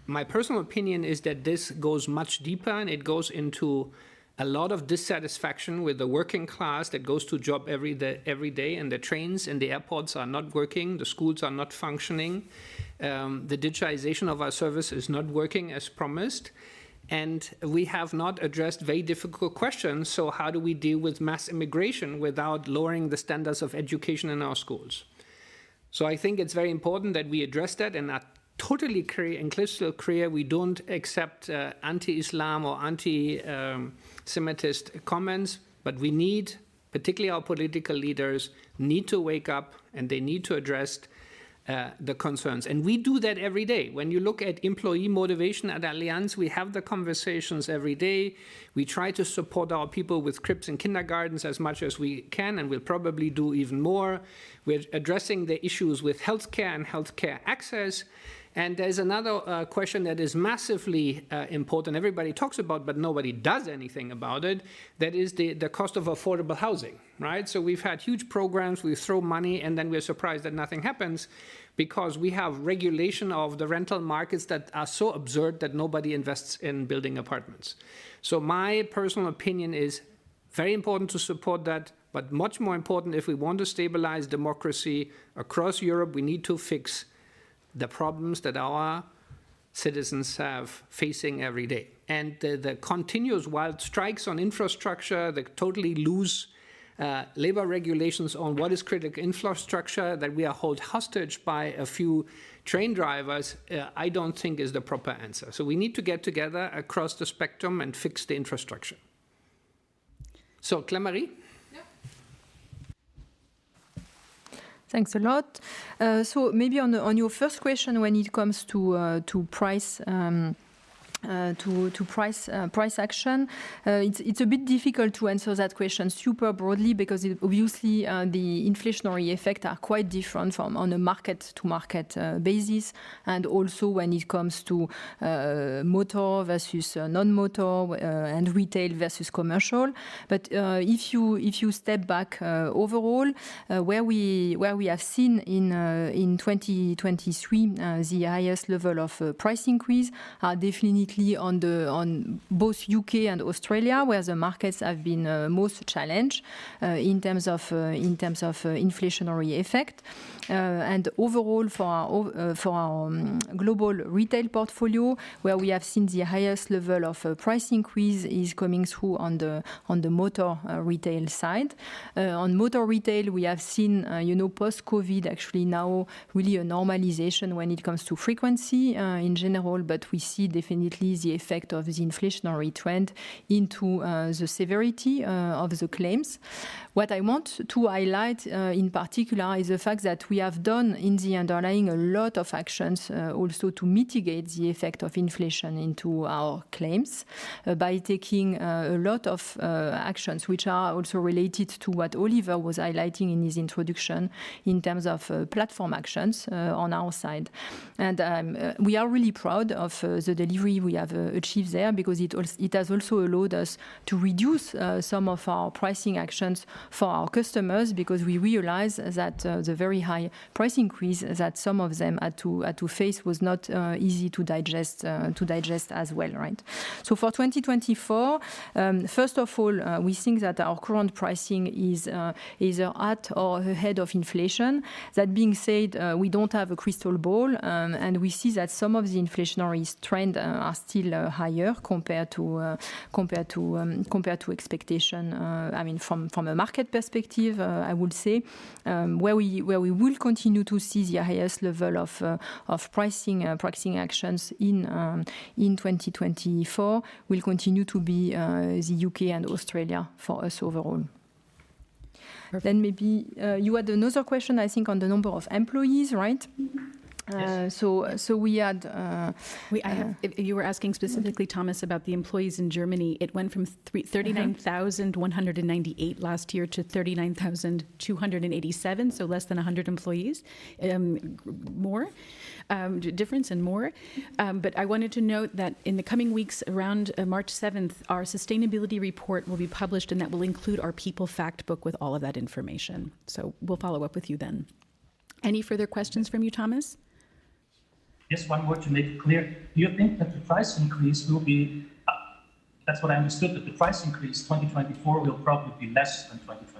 My personal opinion is that this goes much deeper. It goes into a lot of dissatisfaction with the working class that goes to job every day. The trains and the airports are not working. The schools are not functioning. The digitalization of our service is not working as promised. We have not addressed very difficult questions. So how do we deal with mass immigration without lowering the standards of education in our schools? I think it's very important that we address that. I totally encourage your career; we don't accept anti-Islam or anti-Semitic comments. But we need, particularly our political leaders, to wake up. They need to address the concerns. We do that every day. When you look at employee motivation at Allianz, we have the conversations every day. We try to support our people with cribs in kindergartens as much as we can. We'll probably do even more. We're addressing the issues with health care and health care access. There's another question that is massively important. Everybody talks about it. But nobody does anything about it. That is the cost of affordable housing. We've had huge programs. We throw money. Then we're surprised that nothing happens because we have regulation of the rental markets that are so absurd that nobody invests in building apartments. My personal opinion is very important to support that. But much more important, if we want to stabilize democracy across Europe, we need to fix the problems that our citizens are facing every day. And the continuous wild strikes on infrastructure, the totally loose labor regulations on what is critical infrastructure that we are held hostage by a few train drivers, I don't think is the proper answer. So we need to get together across the spectrum and fix the infrastructure. So, Claire-Marie? Yeah. Thanks a lot. So maybe on your first question when it comes to price action, it's a bit difficult to answer that question super broadly because obviously, the inflationary effects are quite different on a market-to-market basis. And also, when it comes to motor versus non-motor and retail versus commercial. But if you step back overall, where we have seen in 2023 the highest level of price increase are definitely on both UK and Australia where the markets have been most challenged in terms of inflationary effect. And overall, for our global retail portfolio, where we have seen the highest level of price increase is coming through on the motor retail side. On motor retail, we have seen post-COVID actually now really a normalization when it comes to frequency in general. But we see definitely the effect of the inflationary trend into the severity of the claims. What I want to highlight in particular is the fact that we have done in the underlying a lot of actions also to mitigate the effect of inflation into our claims by taking a lot of actions which are also related to what Oliver was highlighting in his introduction in terms of platform actions on our side. We are really proud of the delivery we have achieved there because it has also allowed us to reduce some of our pricing actions for our customers because we realize that the very high price increase that some of them had to face was not easy to digest as well. For 2024, first of all, we think that our current pricing is either at or ahead of inflation. That being said, we don't have a crystal ball. We see that some of the inflationary trends are still higher compared to expectation from a market perspective, I would say. Where we will continue to see the highest level of pricing actions in 2024 will continue to be the U.K. and Australia for us overall. Maybe you had another question, I think, on the number of employees. We had. You were asking specifically, Thomas, about the employees in Germany. It went from 39,198 last year to 39,287, so less than 100 employees more, difference and more. But I wanted to note that in the coming weeks around March 7th, our sustainability report will be published. And that will include our People Factbook with all of that information. So we'll follow up with you then. Any further questions from you, Thomas? Just one more to make clear. Do you think that the price increase will be, that's what I understood, that the price increase 2024 will probably be less than 2023?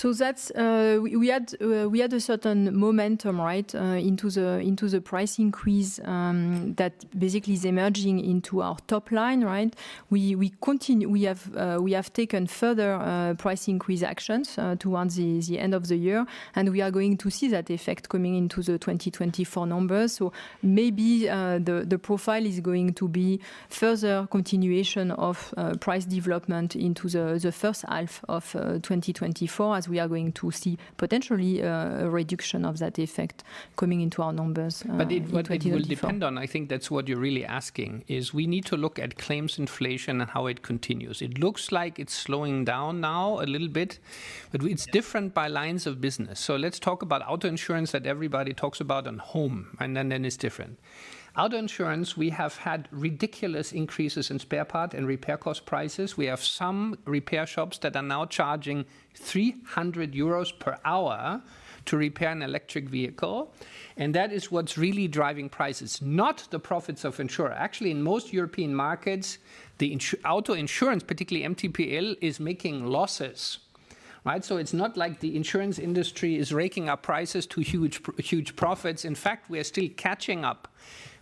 So we had a certain momentum into the price increase that basically is emerging into our top line. We have taken further price increase actions towards the end of the year. We are going to see that effect coming into the 2024 numbers. So maybe the profile is going to be further continuation of price development into the first half of 2024 as we are going to see potentially a reduction of that effect coming into our numbers. But what it will depend on, I think that's what you're really asking, is we need to look at claims inflation and how it continues. It looks like it's slowing down now a little bit. But it's different by lines of business. So let's talk about auto insurance that everybody talks about and home. And then it's different. Auto insurance, we have had ridiculous increases in spare part and repair cost prices. We have some repair shops that are now charging 300 euros per hour to repair an electric vehicle. And that is what's really driving prices, not the profits of insurer. Actually, in most European markets, the auto insurance, particularly MTPL, is making losses. So it's not like the insurance industry is raking up prices to huge profits. In fact, we are still catching up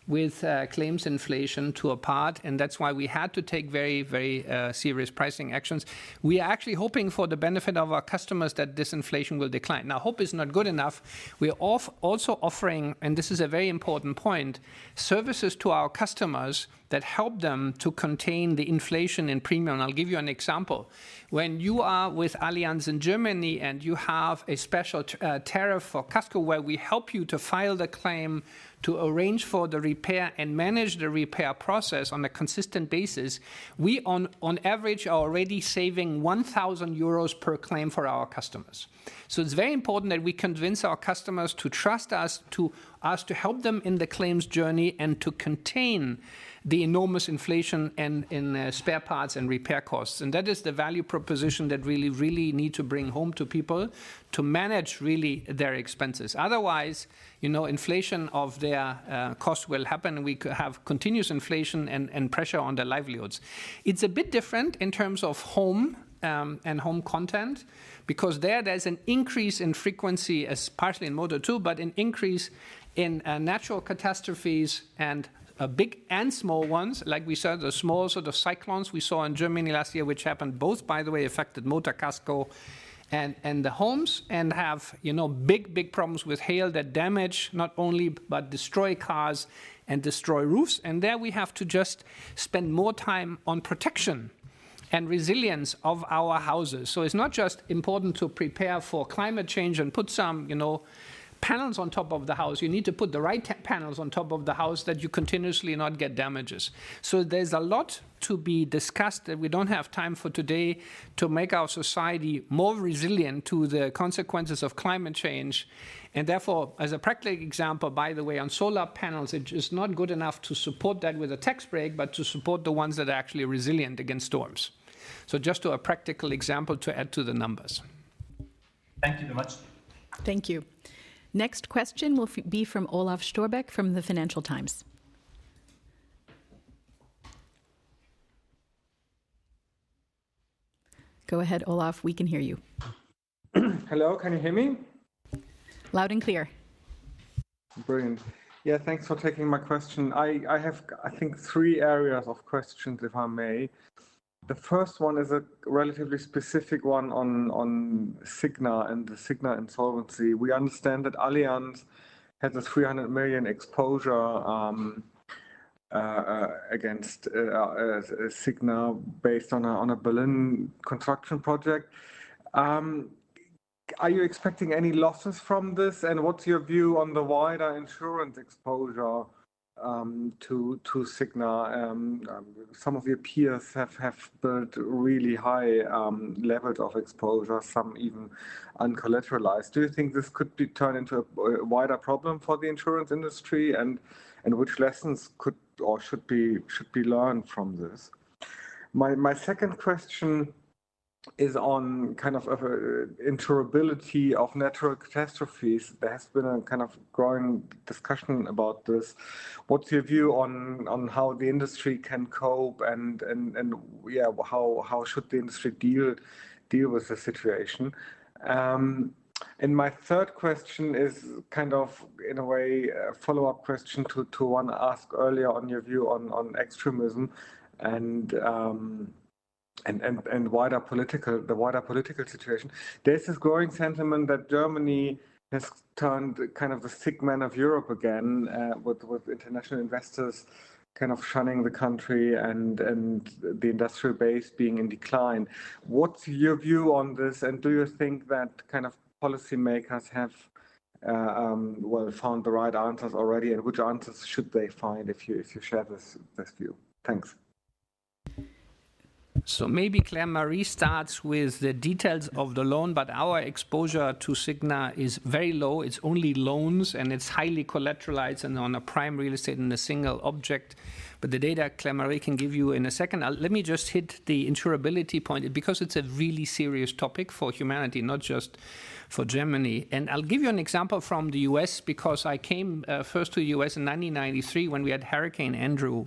with claims inflation to a part. That's why we had to take very, very serious pricing actions. We are actually hoping for the benefit of our customers that this inflation will decline. Now, hope is not good enough. We are also offering, and this is a very important point, services to our customers that help them to contain the inflation and premium. And I'll give you an example. When you are with Allianz in Germany and you have a special tariff for Casco where we help you to file the claim, to arrange for the repair, and manage the repair process on a consistent basis, we on average are already saving 1,000 euros per claim for our customers. So it's very important that we convince our customers to trust us, to ask to help them in the claims journey, and to contain the enormous inflation in spare parts and repair costs. And that is the value proposition that we really, really need to bring home to people to manage really their expenses. Otherwise, inflation of their costs will happen. And we could have continuous inflation and pressure on their livelihoods. It's a bit different in terms of home and home content because there there's an increase in frequency, partially in motor too, but an increase in natural catastrophes and big and small ones like we saw the small sort of cyclones we saw in Germany last year, which happened both, by the way, affected motor CASCO and the homes and have big, big problems with hail that damage not only but destroy cars and destroy roofs. And there we have to just spend more time on protection and resilience of our houses. So it's not just important to prepare for climate change and put some panels on top of the house. You need to put the right panels on top of the house that you continuously not get damages. So there's a lot to be discussed that we don't have time for today to make our society more resilient to the consequences of climate change. And therefore, as a practical example, by the way, on solar panels, it is not good enough to support that with a tax break but to support the ones that are actually resilient against storms. So just a practical example to add to the numbers. Thank you very much. Thank you. Next question will be from Olaf Storbeck from The Financial Times. Go ahead, Olaf. We can hear you. Hello. Can you hear me? Loud and clear. Brilliant. Yeah, thanks for taking my question. I have, I think, three areas of questions, if I may. The first one is a relatively specific one on Signa and the Signa insolvency. We understand that Allianz had this 300 million exposure against Signa based on a Berlin construction project. Are you expecting any losses from this? And what's your view on the wider insurance exposure to Signa? Some of your peers have built really high levels of exposure, some even uncollateralized. Do you think this could be turned into a wider problem for the insurance industry? And which lessons could or should be learned from this? My second question is on kind of insurability of natural catastrophes. There has been a kind of growing discussion about this. What's your view on how the industry can cope? And yeah, how should the industry deal with the situation? My third question is kind of, in a way, a follow-up question to one asked earlier on your view on extremism and the wider political situation. There's this growing sentiment that Germany has turned kind of the sick man of Europe again with international investors kind of shunning the country and the industrial base being in decline. What's your view on this? And do you think that kind of policymakers have, well, found the right answers already? And which answers should they find if you share this view? Thanks. So maybe Claire-Marie starts with the details of the loan. But our exposure to Signa is very low. It's only loans. And it's highly collateralized and on a prime real estate and a single object. But the data Claire-Marie can give you in a second. Let me just hit the insurability point because it's a really serious topic for humanity, not just for Germany. And I'll give you an example from the U.S. because I came first to the U.S. in 1993 when we had Hurricane Andrew.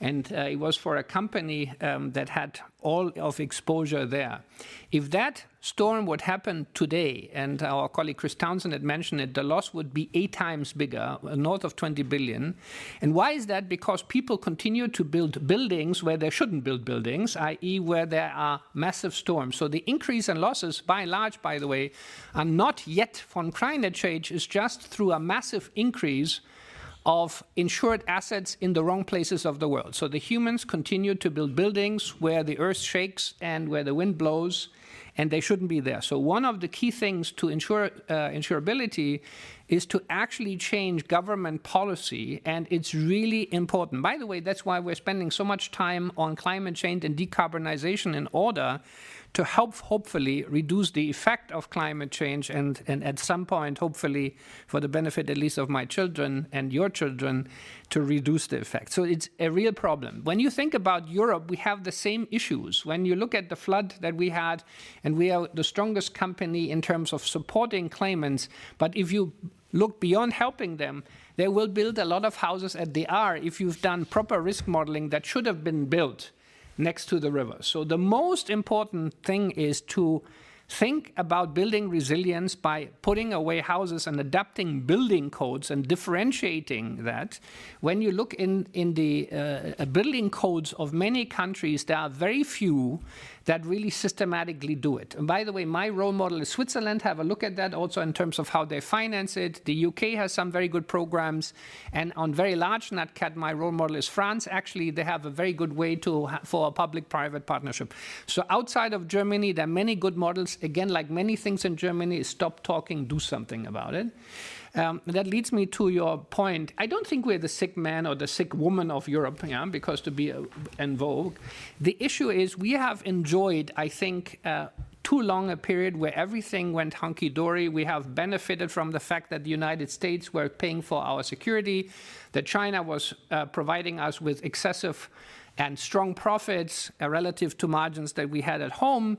And it was for a company that had all of exposure there. If that storm would happen today and our colleague Chris Townsend had mentioned it, the loss would be eight times bigger, north of $20 billion. And why is that? Because people continue to build buildings where they shouldn't build buildings, i.e., where there are massive storms. So the increase in losses by and large, by the way, are not yet from climate change. It's just through a massive increase of insured assets in the wrong places of the world. So the humans continue to build buildings where the earth shakes and where the wind blows. And they shouldn't be there. So one of the key things to insurability is to actually change government policy. And it's really important. By the way, that's why we're spending so much time on climate change and decarbonization in order to help, hopefully, reduce the effect of climate change. And at some point, hopefully, for the benefit at least of my children and your children, to reduce the effect. So it's a real problem. When you think about Europe, we have the same issues. When you look at the flood that we had. We are the strongest company in terms of supporting claimants. But if you look beyond helping them, they will build a lot of houses in the Ahr if you've done proper risk modeling that should have been built next to the river. So the most important thing is to think about building resilience by putting away houses and adapting building codes and differentiating that. When you look in the building codes of many countries, there are very few that really systematically do it. And by the way, my role model is Switzerland. Have a look at that also in terms of how they finance it. The U.K. has some very good programs. And on very large nat cat, my role model is France. Actually, they have a very good way for a public-private partnership. So outside of Germany, there are many good models. Again, like many things in Germany, stop talking. Do something about it. That leads me to your point. I don't think we are the sick man or the sick woman of Europe because to be en vogue. The issue is we have enjoyed, I think, too long a period where everything went hunky-dory. We have benefited from the fact that the United States were paying for our security, that China was providing us with excessive and strong profits relative to margins that we had at home.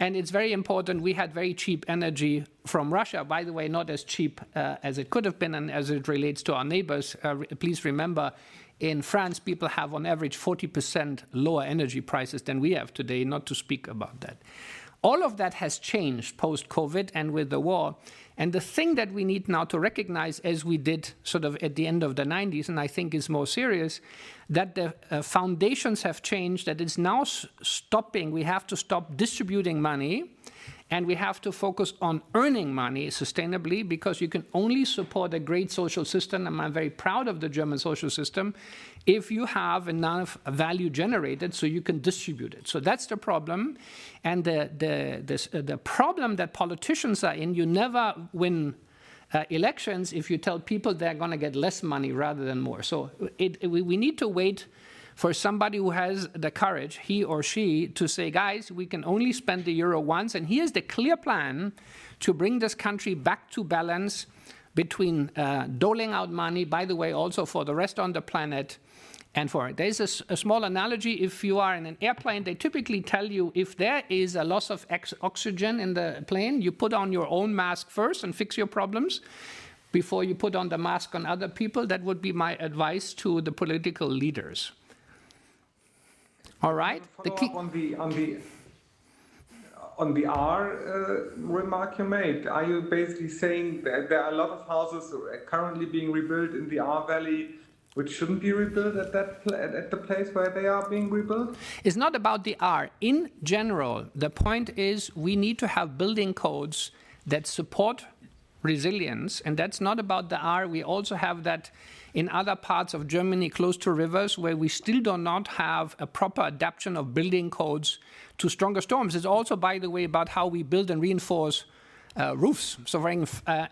And it's very important we had very cheap energy from Russia, by the way, not as cheap as it could have been and as it relates to our neighbors. Please remember, in France, people have on average 40% lower energy prices than we have today, not to speak about that. All of that has changed post-COVID and with the war. The thing that we need now to recognize, as we did sort of at the end of the '90s and I think is more serious, that the foundations have changed, that it's now stopping. We have to stop distributing money. We have to focus on earning money sustainably because you can only support a great social system. I'm very proud of the German social system if you have enough value generated so you can distribute it. So that's the problem. The problem that politicians are in, you never win elections if you tell people they're going to get less money rather than more. So we need to wait for somebody who has the courage, he or she, to say, guys, we can only spend the euro once. Here's the clear plan to bring this country back to balance between doling out money, by the way, also for the rest on the planet. There's a small analogy. If you are in an airplane, they typically tell you if there is a loss of oxygen in the plane, you put on your own mask first and fix your problems before you put on the mask on other people. That would be my advice to the political leaders. All right? On the Ahr remark you made, are you basically saying that there are a lot of houses currently being rebuilt in the Ahr Valley, which shouldn't be rebuilt at the place where they are being rebuilt? It's not about the R in general. The point is we need to have building codes that support resilience. And that's not about the R. We also have that in other parts of Germany close to rivers where we still do not have a proper adaption of building codes to stronger storms. It's also, by the way, about how we build and reinforce roofs. So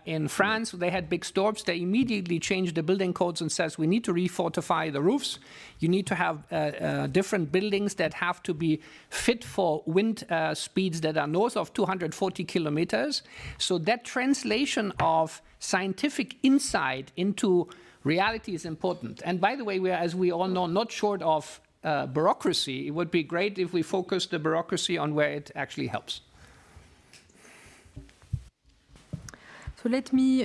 in France, they had big storms. They immediately changed the building codes and said, we need to refortify the roofs. You need to have different buildings that have to be fit for wind speeds that are north of 240 km. So that translation of scientific insight into reality is important. And by the way, we are, as we all know, not short of bureaucracy. It would be great if we focused the bureaucracy on where it actually helps. Let me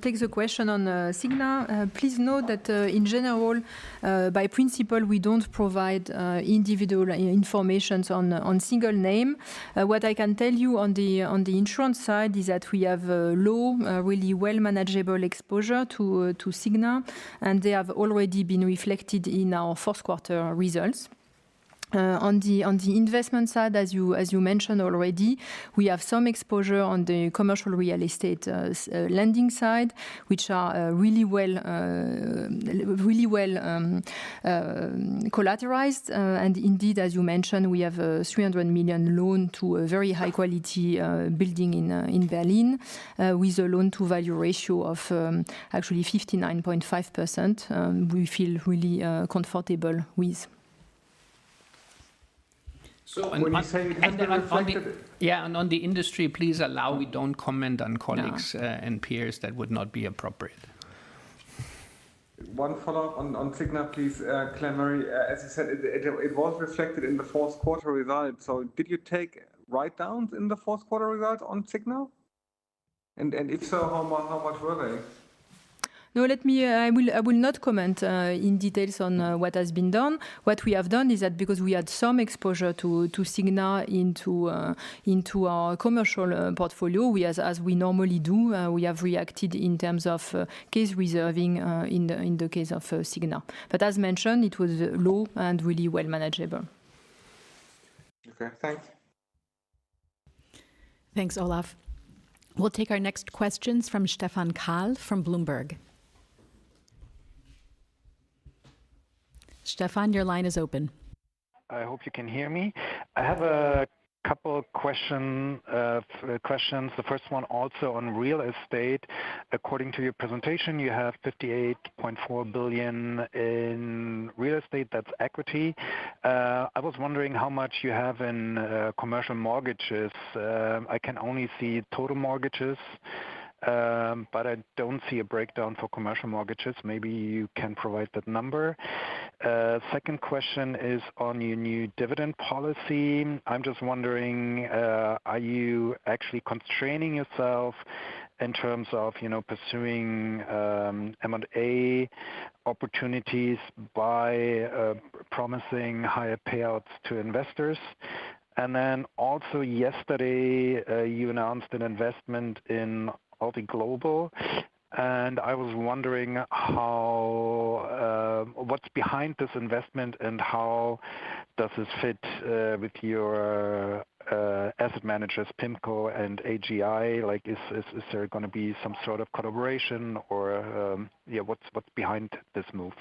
take the question on Signa. Please note that, in general, by principle, we don't provide individual information on single name. What I can tell you on the insurance side is that we have low, really well-manageable exposure to Signa. They have already been reflected in our fourth quarter results. On the investment side, as you mentioned already, we have some exposure on the commercial real estate lending side, which are really well collateralized. And indeed, as you mentioned, we have a 300 million loan to a very high-quality building in Berlin with a loan-to-value ratio of actually 59.5%. We feel really comfortable with. So when you say. Yeah. And on the industry, please allow we don't comment on colleagues and peers. That would not be appropriate. One follow-up on Signa, please. Claire-Marie, as you said, it was reflected in the fourth quarter results. So did you take write-downs in the fourth quarter results on Signa? And if so, how much were they? No, let me I will not comment in details on what has been done. What we have done is that because we had some exposure to Signa into our commercial portfolio, as we normally do, we have reacted in terms of case reserving in the case of Signa. But as mentioned, it was low and really well-manageable. OK. Thanks. Thanks, Olaf. We'll take our next questions from Stephan Kahl from Bloomberg. Stephan, your line is open. I hope you can hear me. I have a couple of questions. The first one also on real estate. According to your presentation, you have $58.4 billion in real estate. That's equity. I was wondering how much you have in commercial mortgages. I can only see total mortgages. But I don't see a breakdown for commercial mortgages. Maybe you can provide that number. Second question is on your new dividend policy. I'm just wondering, are you actually constraining yourself in terms of pursuing M&A opportunities by promising higher payouts to investors? And then also, yesterday, you announced an investment in AlTi Tiedemann Global. And I was wondering what's behind this investment? And how does this fit with your asset managers, PIMCO and AGI? Is there going to be some sort of collaboration? Or yeah, what's behind this move?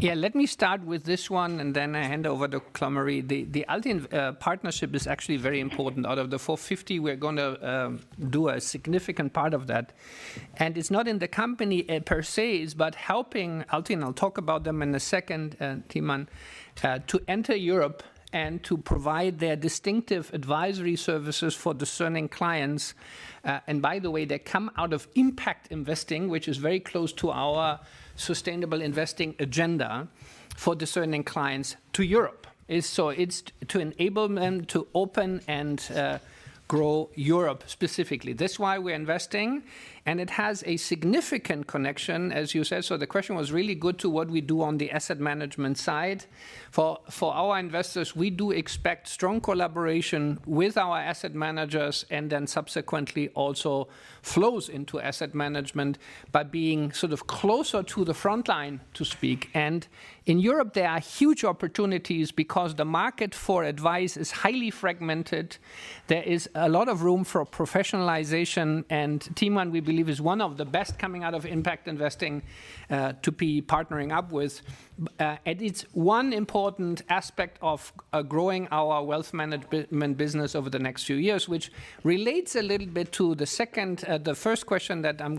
Yeah. Let me start with this one. Then I hand over to Claire-Marie. The AlTi partnership is actually very important. Out of the 450, we're going to do a significant part of that. It's not in the company per se. It's about helping AlTi Tiedemann and I'll talk about them in a second to enter Europe and to provide their distinctive advisory services for discerning clients. And by the way, they come out of impact investing, which is very close to our sustainable investing agenda for discerning clients to Europe. So it's to enable them to open and grow Europe specifically. That's why we're investing. And it has a significant connection, as you said. So the question was really good to what we do on the asset management side. For our investors, we do expect strong collaboration with our asset managers and then subsequently also flows into asset management by being sort of closer to the front line, to speak. In Europe, there are huge opportunities because the market for advice is highly fragmented. There is a lot of room for professionalization. Tiedemann, we believe, is one of the best coming out of impact investing to be partnering up with. It's one important aspect of growing our wealth management business over the next few years, which relates a little bit to the first question that I'm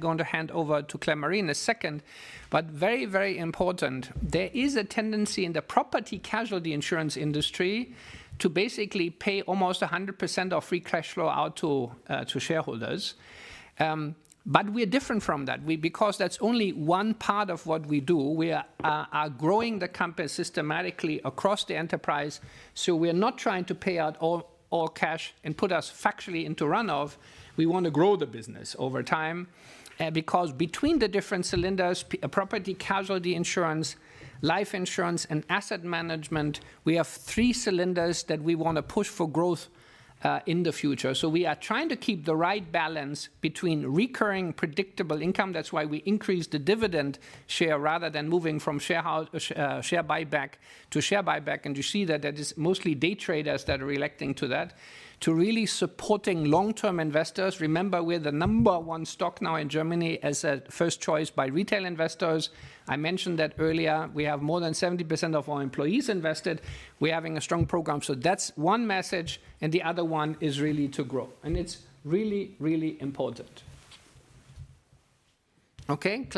going to hand over to Claire-Marie in a second but very, very important. There is a tendency in the property-casualty insurance industry to basically pay almost 100% of free cash flow out to shareholders. We are different from that because that's only one part of what we do. We are growing the company systematically across the enterprise. So we are not trying to pay out all cash and put us factually into runoff. We want to grow the business over time because between the different cylinders, property-casualty insurance, life insurance, and asset management, we have three cylinders that we want to push for growth in the future. So we are trying to keep the right balance between recurring, predictable income. That's why we increase the dividend share rather than moving from share buyback to share buyback. And you see that there is mostly day traders that are reacting to that versus really supporting long-term investors. Remember, we're the number one stock now in Germany as a first choice by retail investors. I mentioned that earlier. We have more than 70% of our employees invested. We're having a strong program. So that's one message. The other one is really to grow. It's really, really important. OK?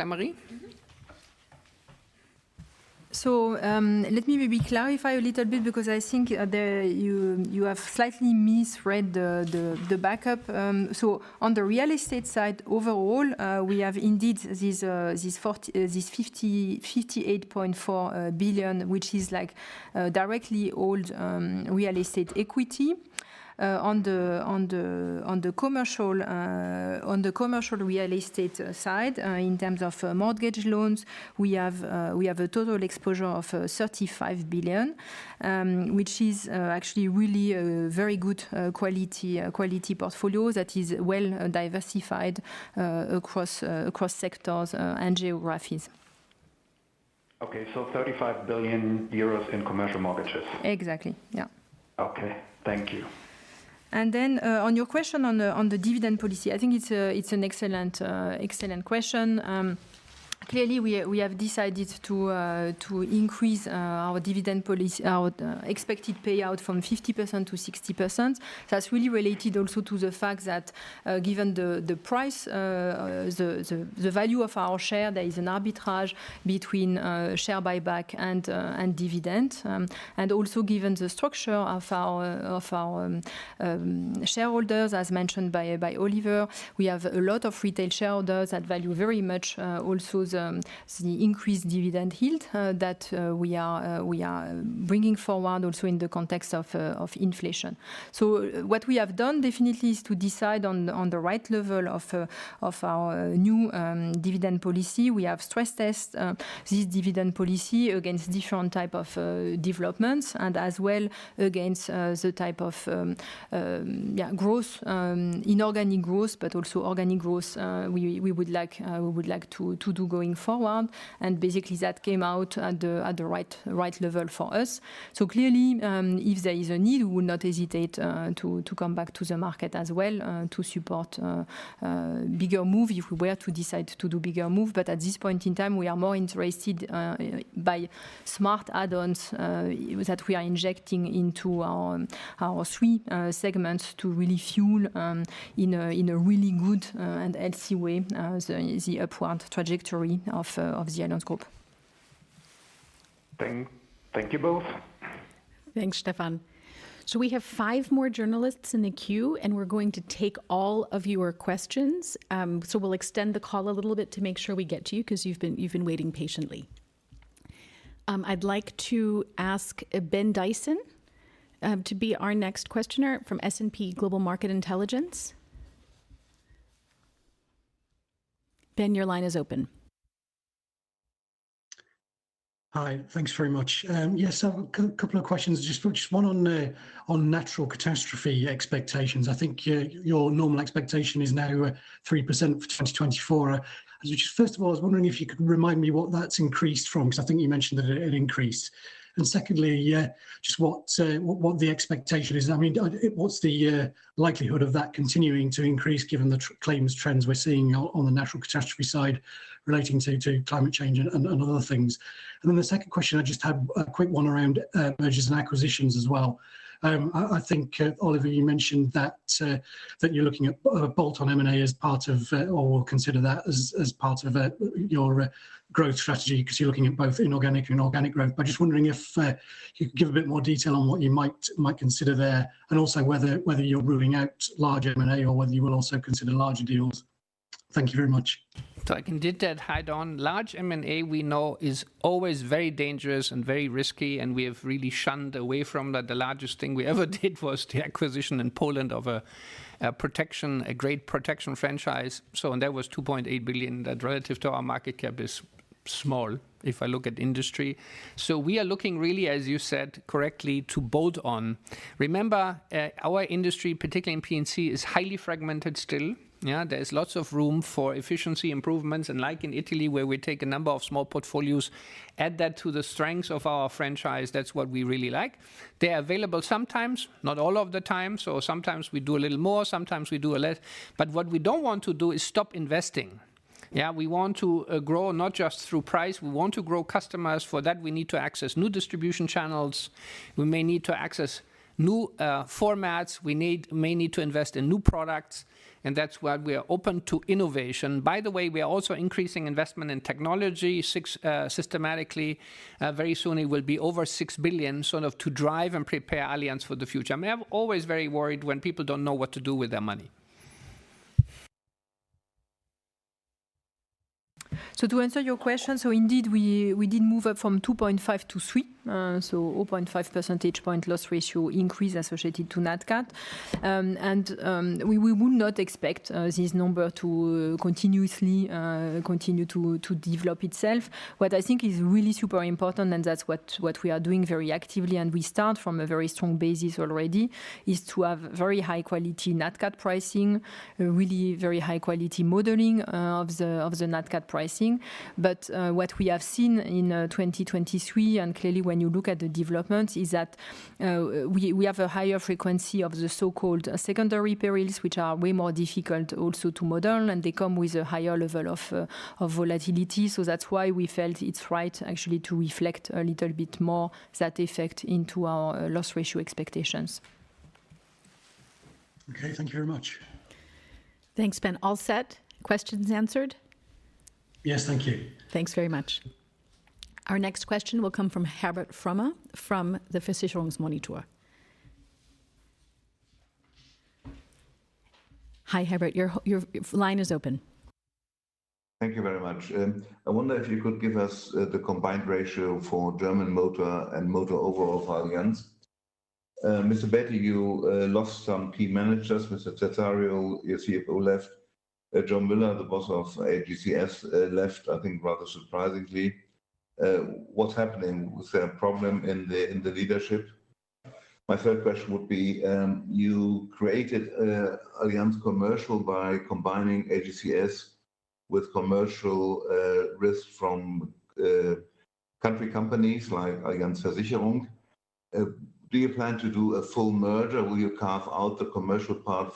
Claire-Marie? Let me maybe clarify a little bit because I think you have slightly misread the backup. On the real estate side overall, we have indeed this $58.4 billion, which is directly old real estate equity. On the commercial real estate side, in terms of mortgage loans, we have a total exposure of $35 billion, which is actually really a very good quality portfolio that is well diversified across sectors and geographies. OK. So $35 billion in commercial mortgages. Exactly. Yeah. OK. Thank you. Then, on your question on the dividend policy, I think it's an excellent question. Clearly, we have decided to increase our expected payout from 50%-60%. That's really related also to the fact that given the price, the value of our share, there is an arbitrage between share buyback and dividend. And also given the structure of our shareholders, as mentioned by Oliver, we have a lot of retail shareholders that value very much also the increased dividend yield that we are bringing forward also in the context of inflation. So what we have done definitely is to decide on the right level of our new dividend policy. We have stress-tested this dividend policy against different types of developments and as well against the type of inorganic growth but also organic growth we would like to do going forward. Basically, that came out at the right level for us. So clearly, if there is a need, we will not hesitate to come back to the market as well to support a bigger move if we were to decide to do a bigger move. But at this point in time, we are more interested by smart add-ons that we are injecting into our three segments to really fuel in a really good and healthy way the upward trajectory of the Allianz Group. Thank you both. Thanks, Stephan. So we have five more journalists in the queue. We're going to take all of your questions. So we'll extend the call a little bit to make sure we get to you because you've been waiting patiently. I'd like to ask Ben Dyson to be our next questioner from S&P Global Market Intelligence. Ben, your line is open. Hi. Thanks very much. Yes. A couple of questions, just one on natural catastrophe expectations. I think your normal expectation is now 3% for 2024. First of all, I was wondering if you could remind me what that's increased from because I think you mentioned that it increased. And secondly, just what the expectation is. I mean, what's the likelihood of that continuing to increase given the claims trends we're seeing on the natural catastrophe side relating to climate change and other things? And then the second question, I just have a quick one around mergers and acquisitions as well. I think, Oliver, you mentioned that you're looking at a bolt-on M&A as part of or consider that as part of your growth strategy because you're looking at both inorganic and organic growth. But I'm just wondering if you could give a bit more detail on what you might consider there and also whether you're ruling out large M&A or whether you will also consider larger deals? Thank you very much. So I can indeed add, Dyson. Large M&A, we know, is always very dangerous and very risky. And we have really shunned away from that. The largest thing we ever did was the acquisition in Poland of a great protection franchise. And that was $2.8 billion, that relative to our market cap is small if I look at industry. So we are looking really, as you said correctly, to bolt on. Remember, our industry, particularly in P&C, is highly fragmented still. There is lots of room for efficiency improvements. And like in Italy, where we take a number of small portfolios, add that to the strengths of our franchise. That's what we really like. They're available sometimes, not all of the time. So sometimes we do a little more. Sometimes we do a less. But what we don't want to do is stop investing. We want to grow not just through price. We want to grow customers. For that, we need to access new distribution channels. We may need to access new formats. We may need to invest in new products. And that's why we are open to innovation. By the way, we are also increasing investment in technology systematically. Very soon, it will be over $6 billion sort of to drive and prepare Allianz for the future. I'm always very worried when people don't know what to do with their money. So to answer your question, so indeed, we did move up from 2.5%-3%. So 0.5 percentage point loss ratio increase associated to NATCAT. And we will not expect this number to continuously continue to develop itself. What I think is really super important, and that's what we are doing very actively and we start from a very strong basis already, is to have very high-quality NATCAT pricing, really very high-quality modeling of the NATCAT pricing. But what we have seen in 2023 and clearly, when you look at the developments, is that we have a higher frequency of the so-called secondary perils, which are way more difficult also to model. And they come with a higher level of volatility. So that's why we felt it's right, actually, to reflect a little bit more that effect into our loss ratio expectations. OK. Thank you very much. Thanks, Ben. All set? Questions answered? Yes. Thank you. Thanks very much. Our next question will come from Herbert Fromme from the Versicherungsmonitor. Hi, Herbert. Your line is open. Thank you very much. I wonder if you could give us the combined ratio for German Motor and Motor Overall for Allianz. Mr. Bäte, you lost some key managers. Mr. Terzariol, your CFO, left. Joachim Müller, the boss of AGCS, left, I think, rather surprisingly. What's happening? Is there a problem in the leadership? My third question would be, you created Allianz Commercial by combining AGCS with commercial risk from country companies like Allianz Versicherung. Do you plan to do a full merger? Will you carve out the commercial part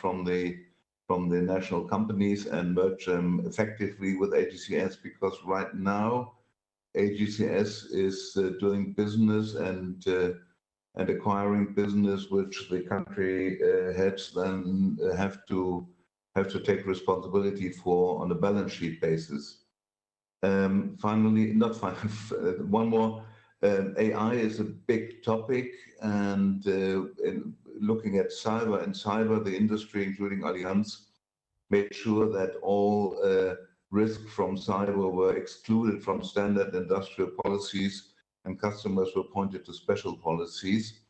from the national companies and merge them effectively with AGCS? Because right now, AGCS is doing business and acquiring business, which the country heads then have to take responsibility for on a balance sheet basis. Finally, not finally, one more. AI is a big topic. Looking at cyber, in cyber, the industry, including Allianz, made sure that all risk from cyber were excluded from standard industrial policies. Customers were pointed to special policies.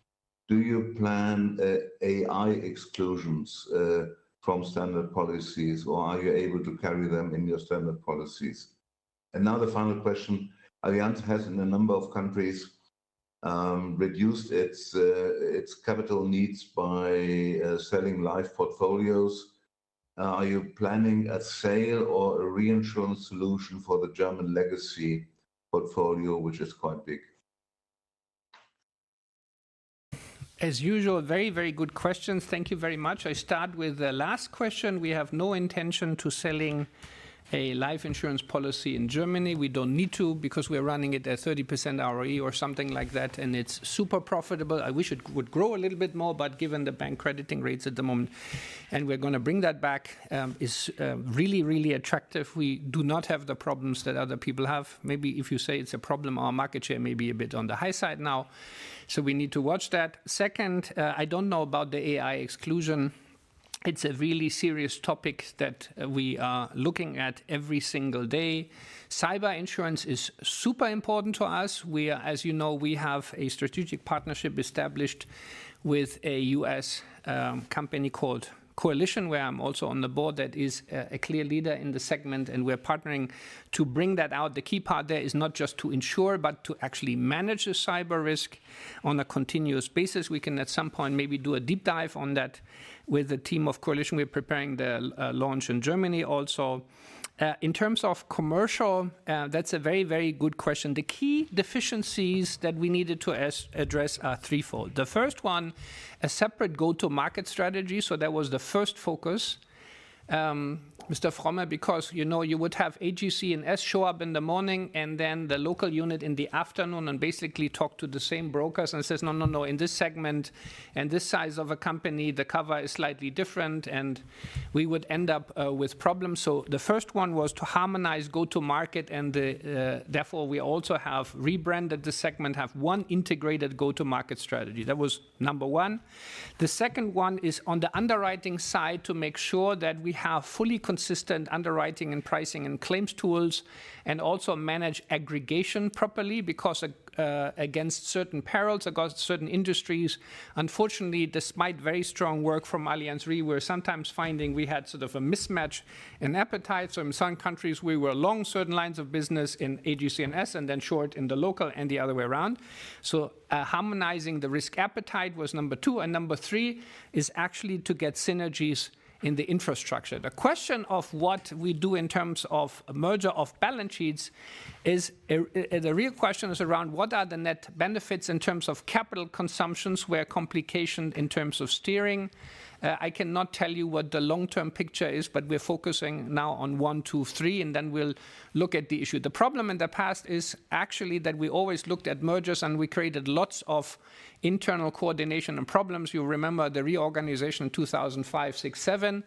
Do you plan AI exclusions from standard policies? Or are you able to carry them in your standard policies? Now the final question. Allianz has, in a number of countries, reduced its capital needs by selling life portfolios. Are you planning a sale or a reinsurance solution for the German legacy portfolio, which is quite big? As usual, very, very good questions. Thank you very much. I start with the last question. We have no intention to sell a life insurance policy in Germany. We don't need to because we are running it at 30% ROE or something like that. And it's super profitable. I wish it would grow a little bit more. But given the bank crediting rates at the moment and we're going to bring that back, it's really, really attractive. We do not have the problems that other people have. Maybe if you say it's a problem, our market share may be a bit on the high side now. So we need to watch that. Second, I don't know about the AI exclusion. It's a really serious topic that we are looking at every single day. Cyber insurance is super important to us. As you know, we have a strategic partnership established with a U.S. company called Coalition, where I'm also on the board. That is a clear leader in the segment. We are partnering to bring that out. The key part there is not just to insure but to actually manage the cyber risk on a continuous basis. We can, at some point, maybe do a deep dive on that with the team of Coalition. We are preparing the launch in Germany also. In terms of commercial, that's a very, very good question. The key deficiencies that we needed to address are threefold. The first one, a separate go-to-market strategy. So that was the first focus, Mr. Fromme, because you would have AGCS show up in the morning and then the local unit in the afternoon and basically talk to the same brokers and says, no, no, no. In this segment and this size of a company, the cover is slightly different. We would end up with problems. The first one was to harmonize go-to-market. Therefore, we also have rebranded the segment, have one integrated go-to-market strategy. That was number one. The second one is on the underwriting side to make sure that we have fully consistent underwriting and pricing and claims tools and also manage aggregation properly because against certain perils, against certain industries, unfortunately, despite very strong work from Allianz Re, we were sometimes finding we had sort of a mismatch in appetite. In some countries, we were long certain lines of business in AGCS and then short in the local and the other way around. Harmonizing the risk appetite was number two. Number three is actually to get synergies in the infrastructure. The question of what we do in terms of merger of balance sheets is the real question is around what are the net benefits in terms of capital consumptions. We are complicated in terms of steering. I cannot tell you what the long-term picture is. But we are focusing now on one, two, three. And then we'll look at the issue. The problem in the past is actually that we always looked at mergers. And we created lots of internal coordination and problems. You remember the reorganization in 2005, 2006, 2007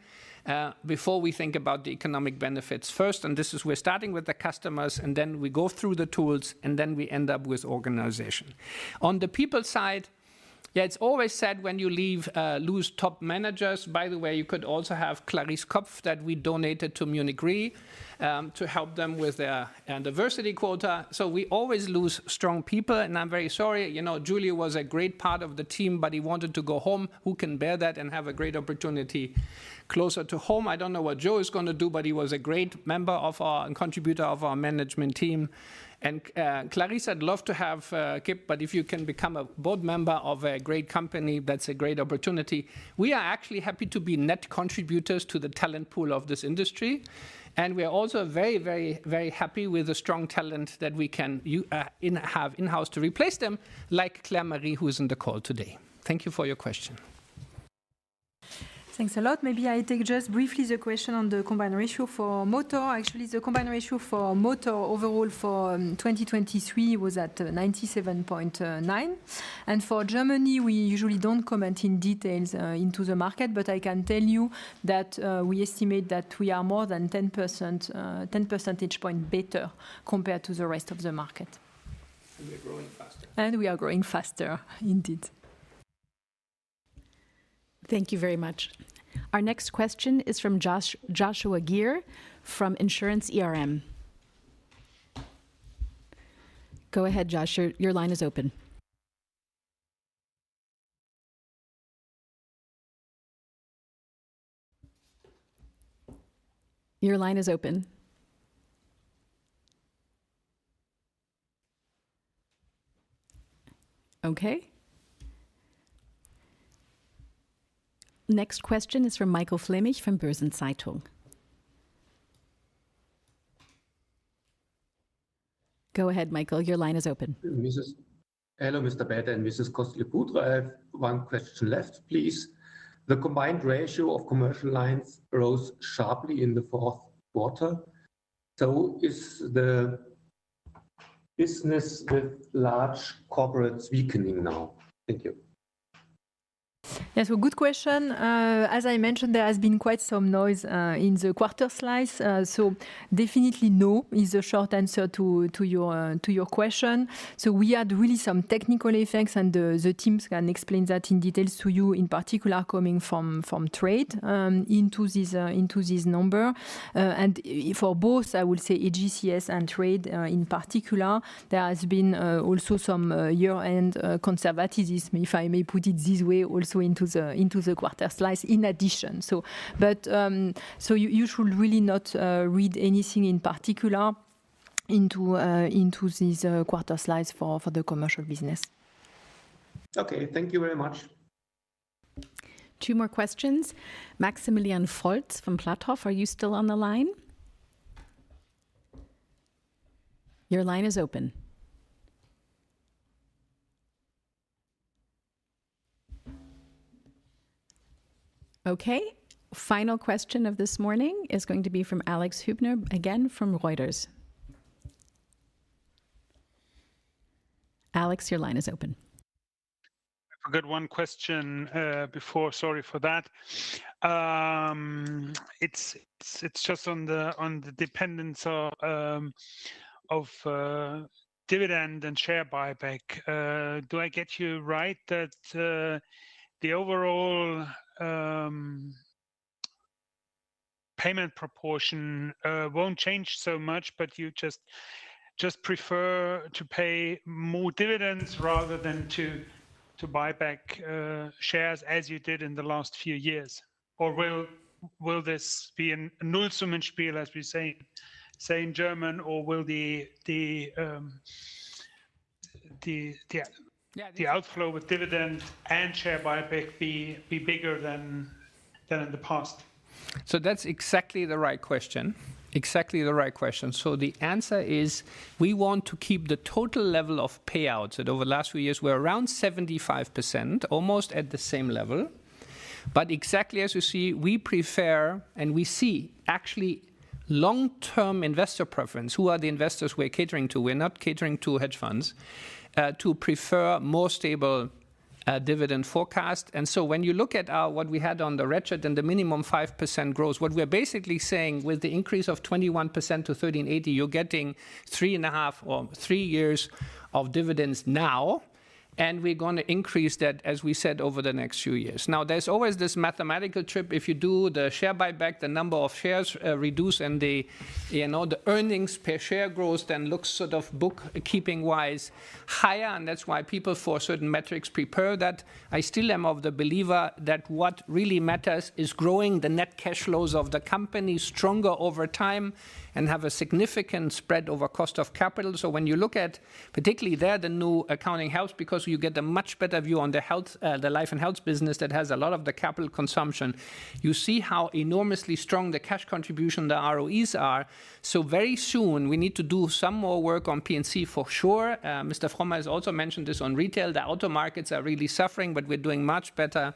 before we think about the economic benefits first. And this is we're starting with the customers. And then we go through the tools. And then we end up with organization. On the people side, yeah, it's always said when you lose top managers, by the way, you could also have Clarisse Kopff that we donated to Munich Re to help them with their diversity quota. So we always lose strong people. And I'm very sorry. Giulio was a great part of the team. But he wanted to go home. Who can bear that and have a great opportunity closer to home? I don't know what Joe is going to do. But he was a great member and contributor of our management team. And Clarisse had loved to have kept. But if you can become a board member of a great company, that's a great opportunity. We are actually happy to be net contributors to the talent pool of this industry. We are also very, very, very happy with the strong talent that we can have in-house to replace them, like Claire-Marie, who is in the call today. Thank you for your question. Thanks a lot. Maybe I take just briefly the question on the combined ratio for Motor. Actually, the combined ratio for Motor overall for 2023 was at 97.9%. And for Germany, we usually don't comment in details into the market. But I can tell you that we estimate that we are more than 10 percentage points better compared to the rest of the market. We are growing faster. We are growing faster, indeed. Thank you very much. Our next question is from Joshua Geer from Insurance Insider. Go ahead, Josh. Your line is open. Your line is open. OK. Next question is from Michael Flämig from Börsen-Zeitung. Go ahead, Michael. Your line is open. Hello, Mr. Bäte. And Mrs. Coste-Lepoutre. I have one question left, please. The combined ratio of commercial lines rose sharply in the fourth quarter. Is the business with large corporates weakening now? Thank you. Yes. Well, good question. As I mentioned, there has been quite some noise in the quarter slice. So definitely, no is the short answer to your question. So we had really some technical effects. And the teams can explain that in details to you, in particular, coming from Trade into this number. And for both, I will say, AGCS and Trade in particular, there has been also some year-end conservatism, if I may put it this way, also into the quarter slice in addition. But you should really not read anything in particular into these quarter slices for the commercial business. OK. Thank you very much. Two more questions. Maximilian Volz from Platow Brief, are you still on the line? Your line is open. OK. Final question of this morning is going to be from Alex Hübner, again from Reuters. Alex, your line is open. I forgot one question before. Sorry for that. It's just on the dependence of dividend and share buyback. Do I get you right that the overall payment proportion won't change so much? But you just prefer to pay more dividends rather than to buy back shares as you did in the last few years? Or will this be a Nullsummenspiel, as we say in German? Or will the outflow with dividend and share buyback be bigger than in the past? So that's exactly the right question, exactly the right question. So the answer is, we want to keep the total level of payouts. Over the last few years, we're around 75%, almost at the same level. Exactly as you see, we prefer and we see actually long-term investor preference who are the investors we are catering to. We are not catering to hedge funds to prefer more stable dividend forecasts. So when you look at what we had in retrospect, then the minimum 5% growth, what we are basically saying, with the increase of 21% to 13.80, you're getting 3 1/2 or three years of dividends now. We're going to increase that, as we said, over the next few years. Now, there's always this mathematical trick. If you do the share buyback, the number of shares reduced. The earnings per share growth then looks sort of bookkeeping-wise higher. That's why people, for certain metrics, prefer that. I still am a believer that what really matters is growing the net cash flows of the company stronger over time and have a significant spread over cost of capital. So when you look at particularly there, the new accounting helps because you get a much better view on the life and health business that has a lot of the capital consumption. You see how enormously strong the cash contribution, the ROEs are. So very soon, we need to do some more work on P&C for sure. Mr. Fromme has also mentioned this on retail. The auto markets are really suffering. But we're doing much better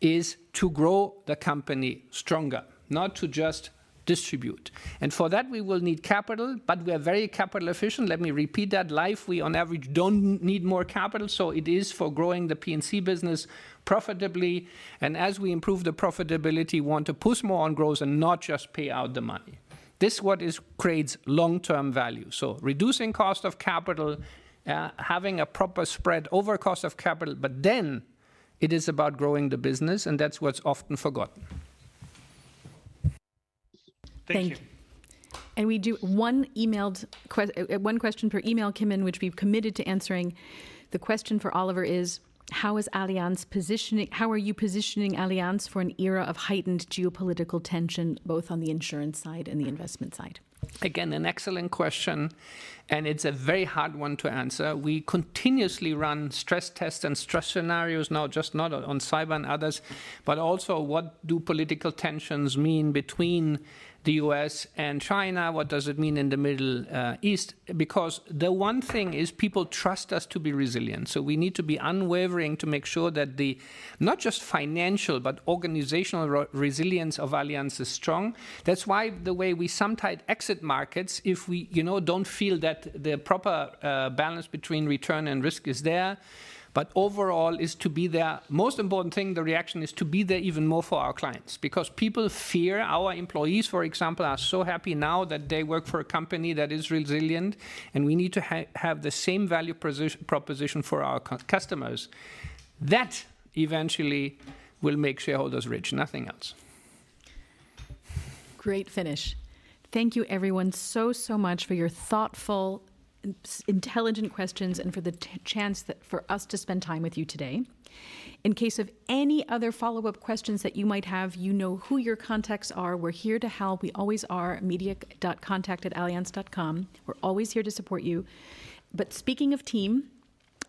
is to grow the company stronger, not to just distribute. And for that, we will need capital. But we are very capital efficient. Let me repeat that. Life, we on average don't need more capital. So it is for growing the P&C business profitably. And as we improve the profitability, we want to push more on growth and not just pay out the money. This is what creates long-term value. So reducing cost of capital, having a proper spread over cost of capital. But then it is about growing the business. And that's what's often forgotten. Thank you. Thank you. We do one emailed one question per email, Kimin, which we've committed to answering. The question for Oliver is, how is Allianz positioning how are you positioning Allianz for an era of heightened geopolitical tension, both on the insurance side and the investment side? Again, an excellent question. It's a very hard one to answer. We continuously run stress tests and stress scenarios, just not on cyber and others. But also, what do political tensions mean between the U.S. and China? What does it mean in the Middle East? Because the one thing is, people trust us to be resilient. So we need to be unwavering to make sure that the not just financial but organizational resilience of Allianz is strong. That's why the way we sometimes exit markets, if we don't feel that the proper balance between return and risk is there, but overall is to be there. Most important thing, the reaction is to be there even more for our clients because people fear our employees, for example, are so happy now that they work for a company that is resilient. We need to have the same value proposition for our customers. That eventually will make shareholders rich, nothing else. Great finish. Thank you, everyone, so, so much for your thoughtful, intelligent questions and for the chance for us to spend time with you today. In case of any other follow-up questions that you might have, you know who your contacts are. We're here to help. We always are media.contact@allianz.com. We're always here to support you. But speaking of team,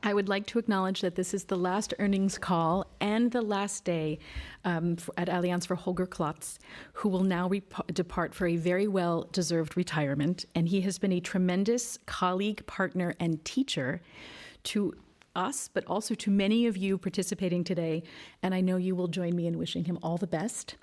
I would like to acknowledge that this is the last earnings call and the last day at Allianz for Holger Klotz, who will now depart for a very well-deserved retirement. He has been a tremendous colleague, partner, and teacher to us but also to many of you participating today. I know you will join me in wishing him all the best.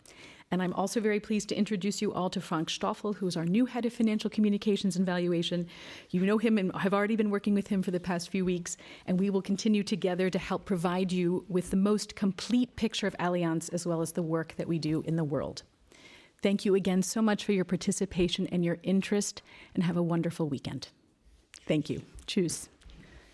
I'm also very pleased to introduce you all to Frank Stoffel, who is our new head of financial communications and valuation. You know him and have already been working with him for the past few weeks. We will continue together to help provide you with the most complete picture of Allianz as well as the work that we do in the world. Thank you again so much for your participation and your interest. Have a wonderful weekend. Thank you. Cheers.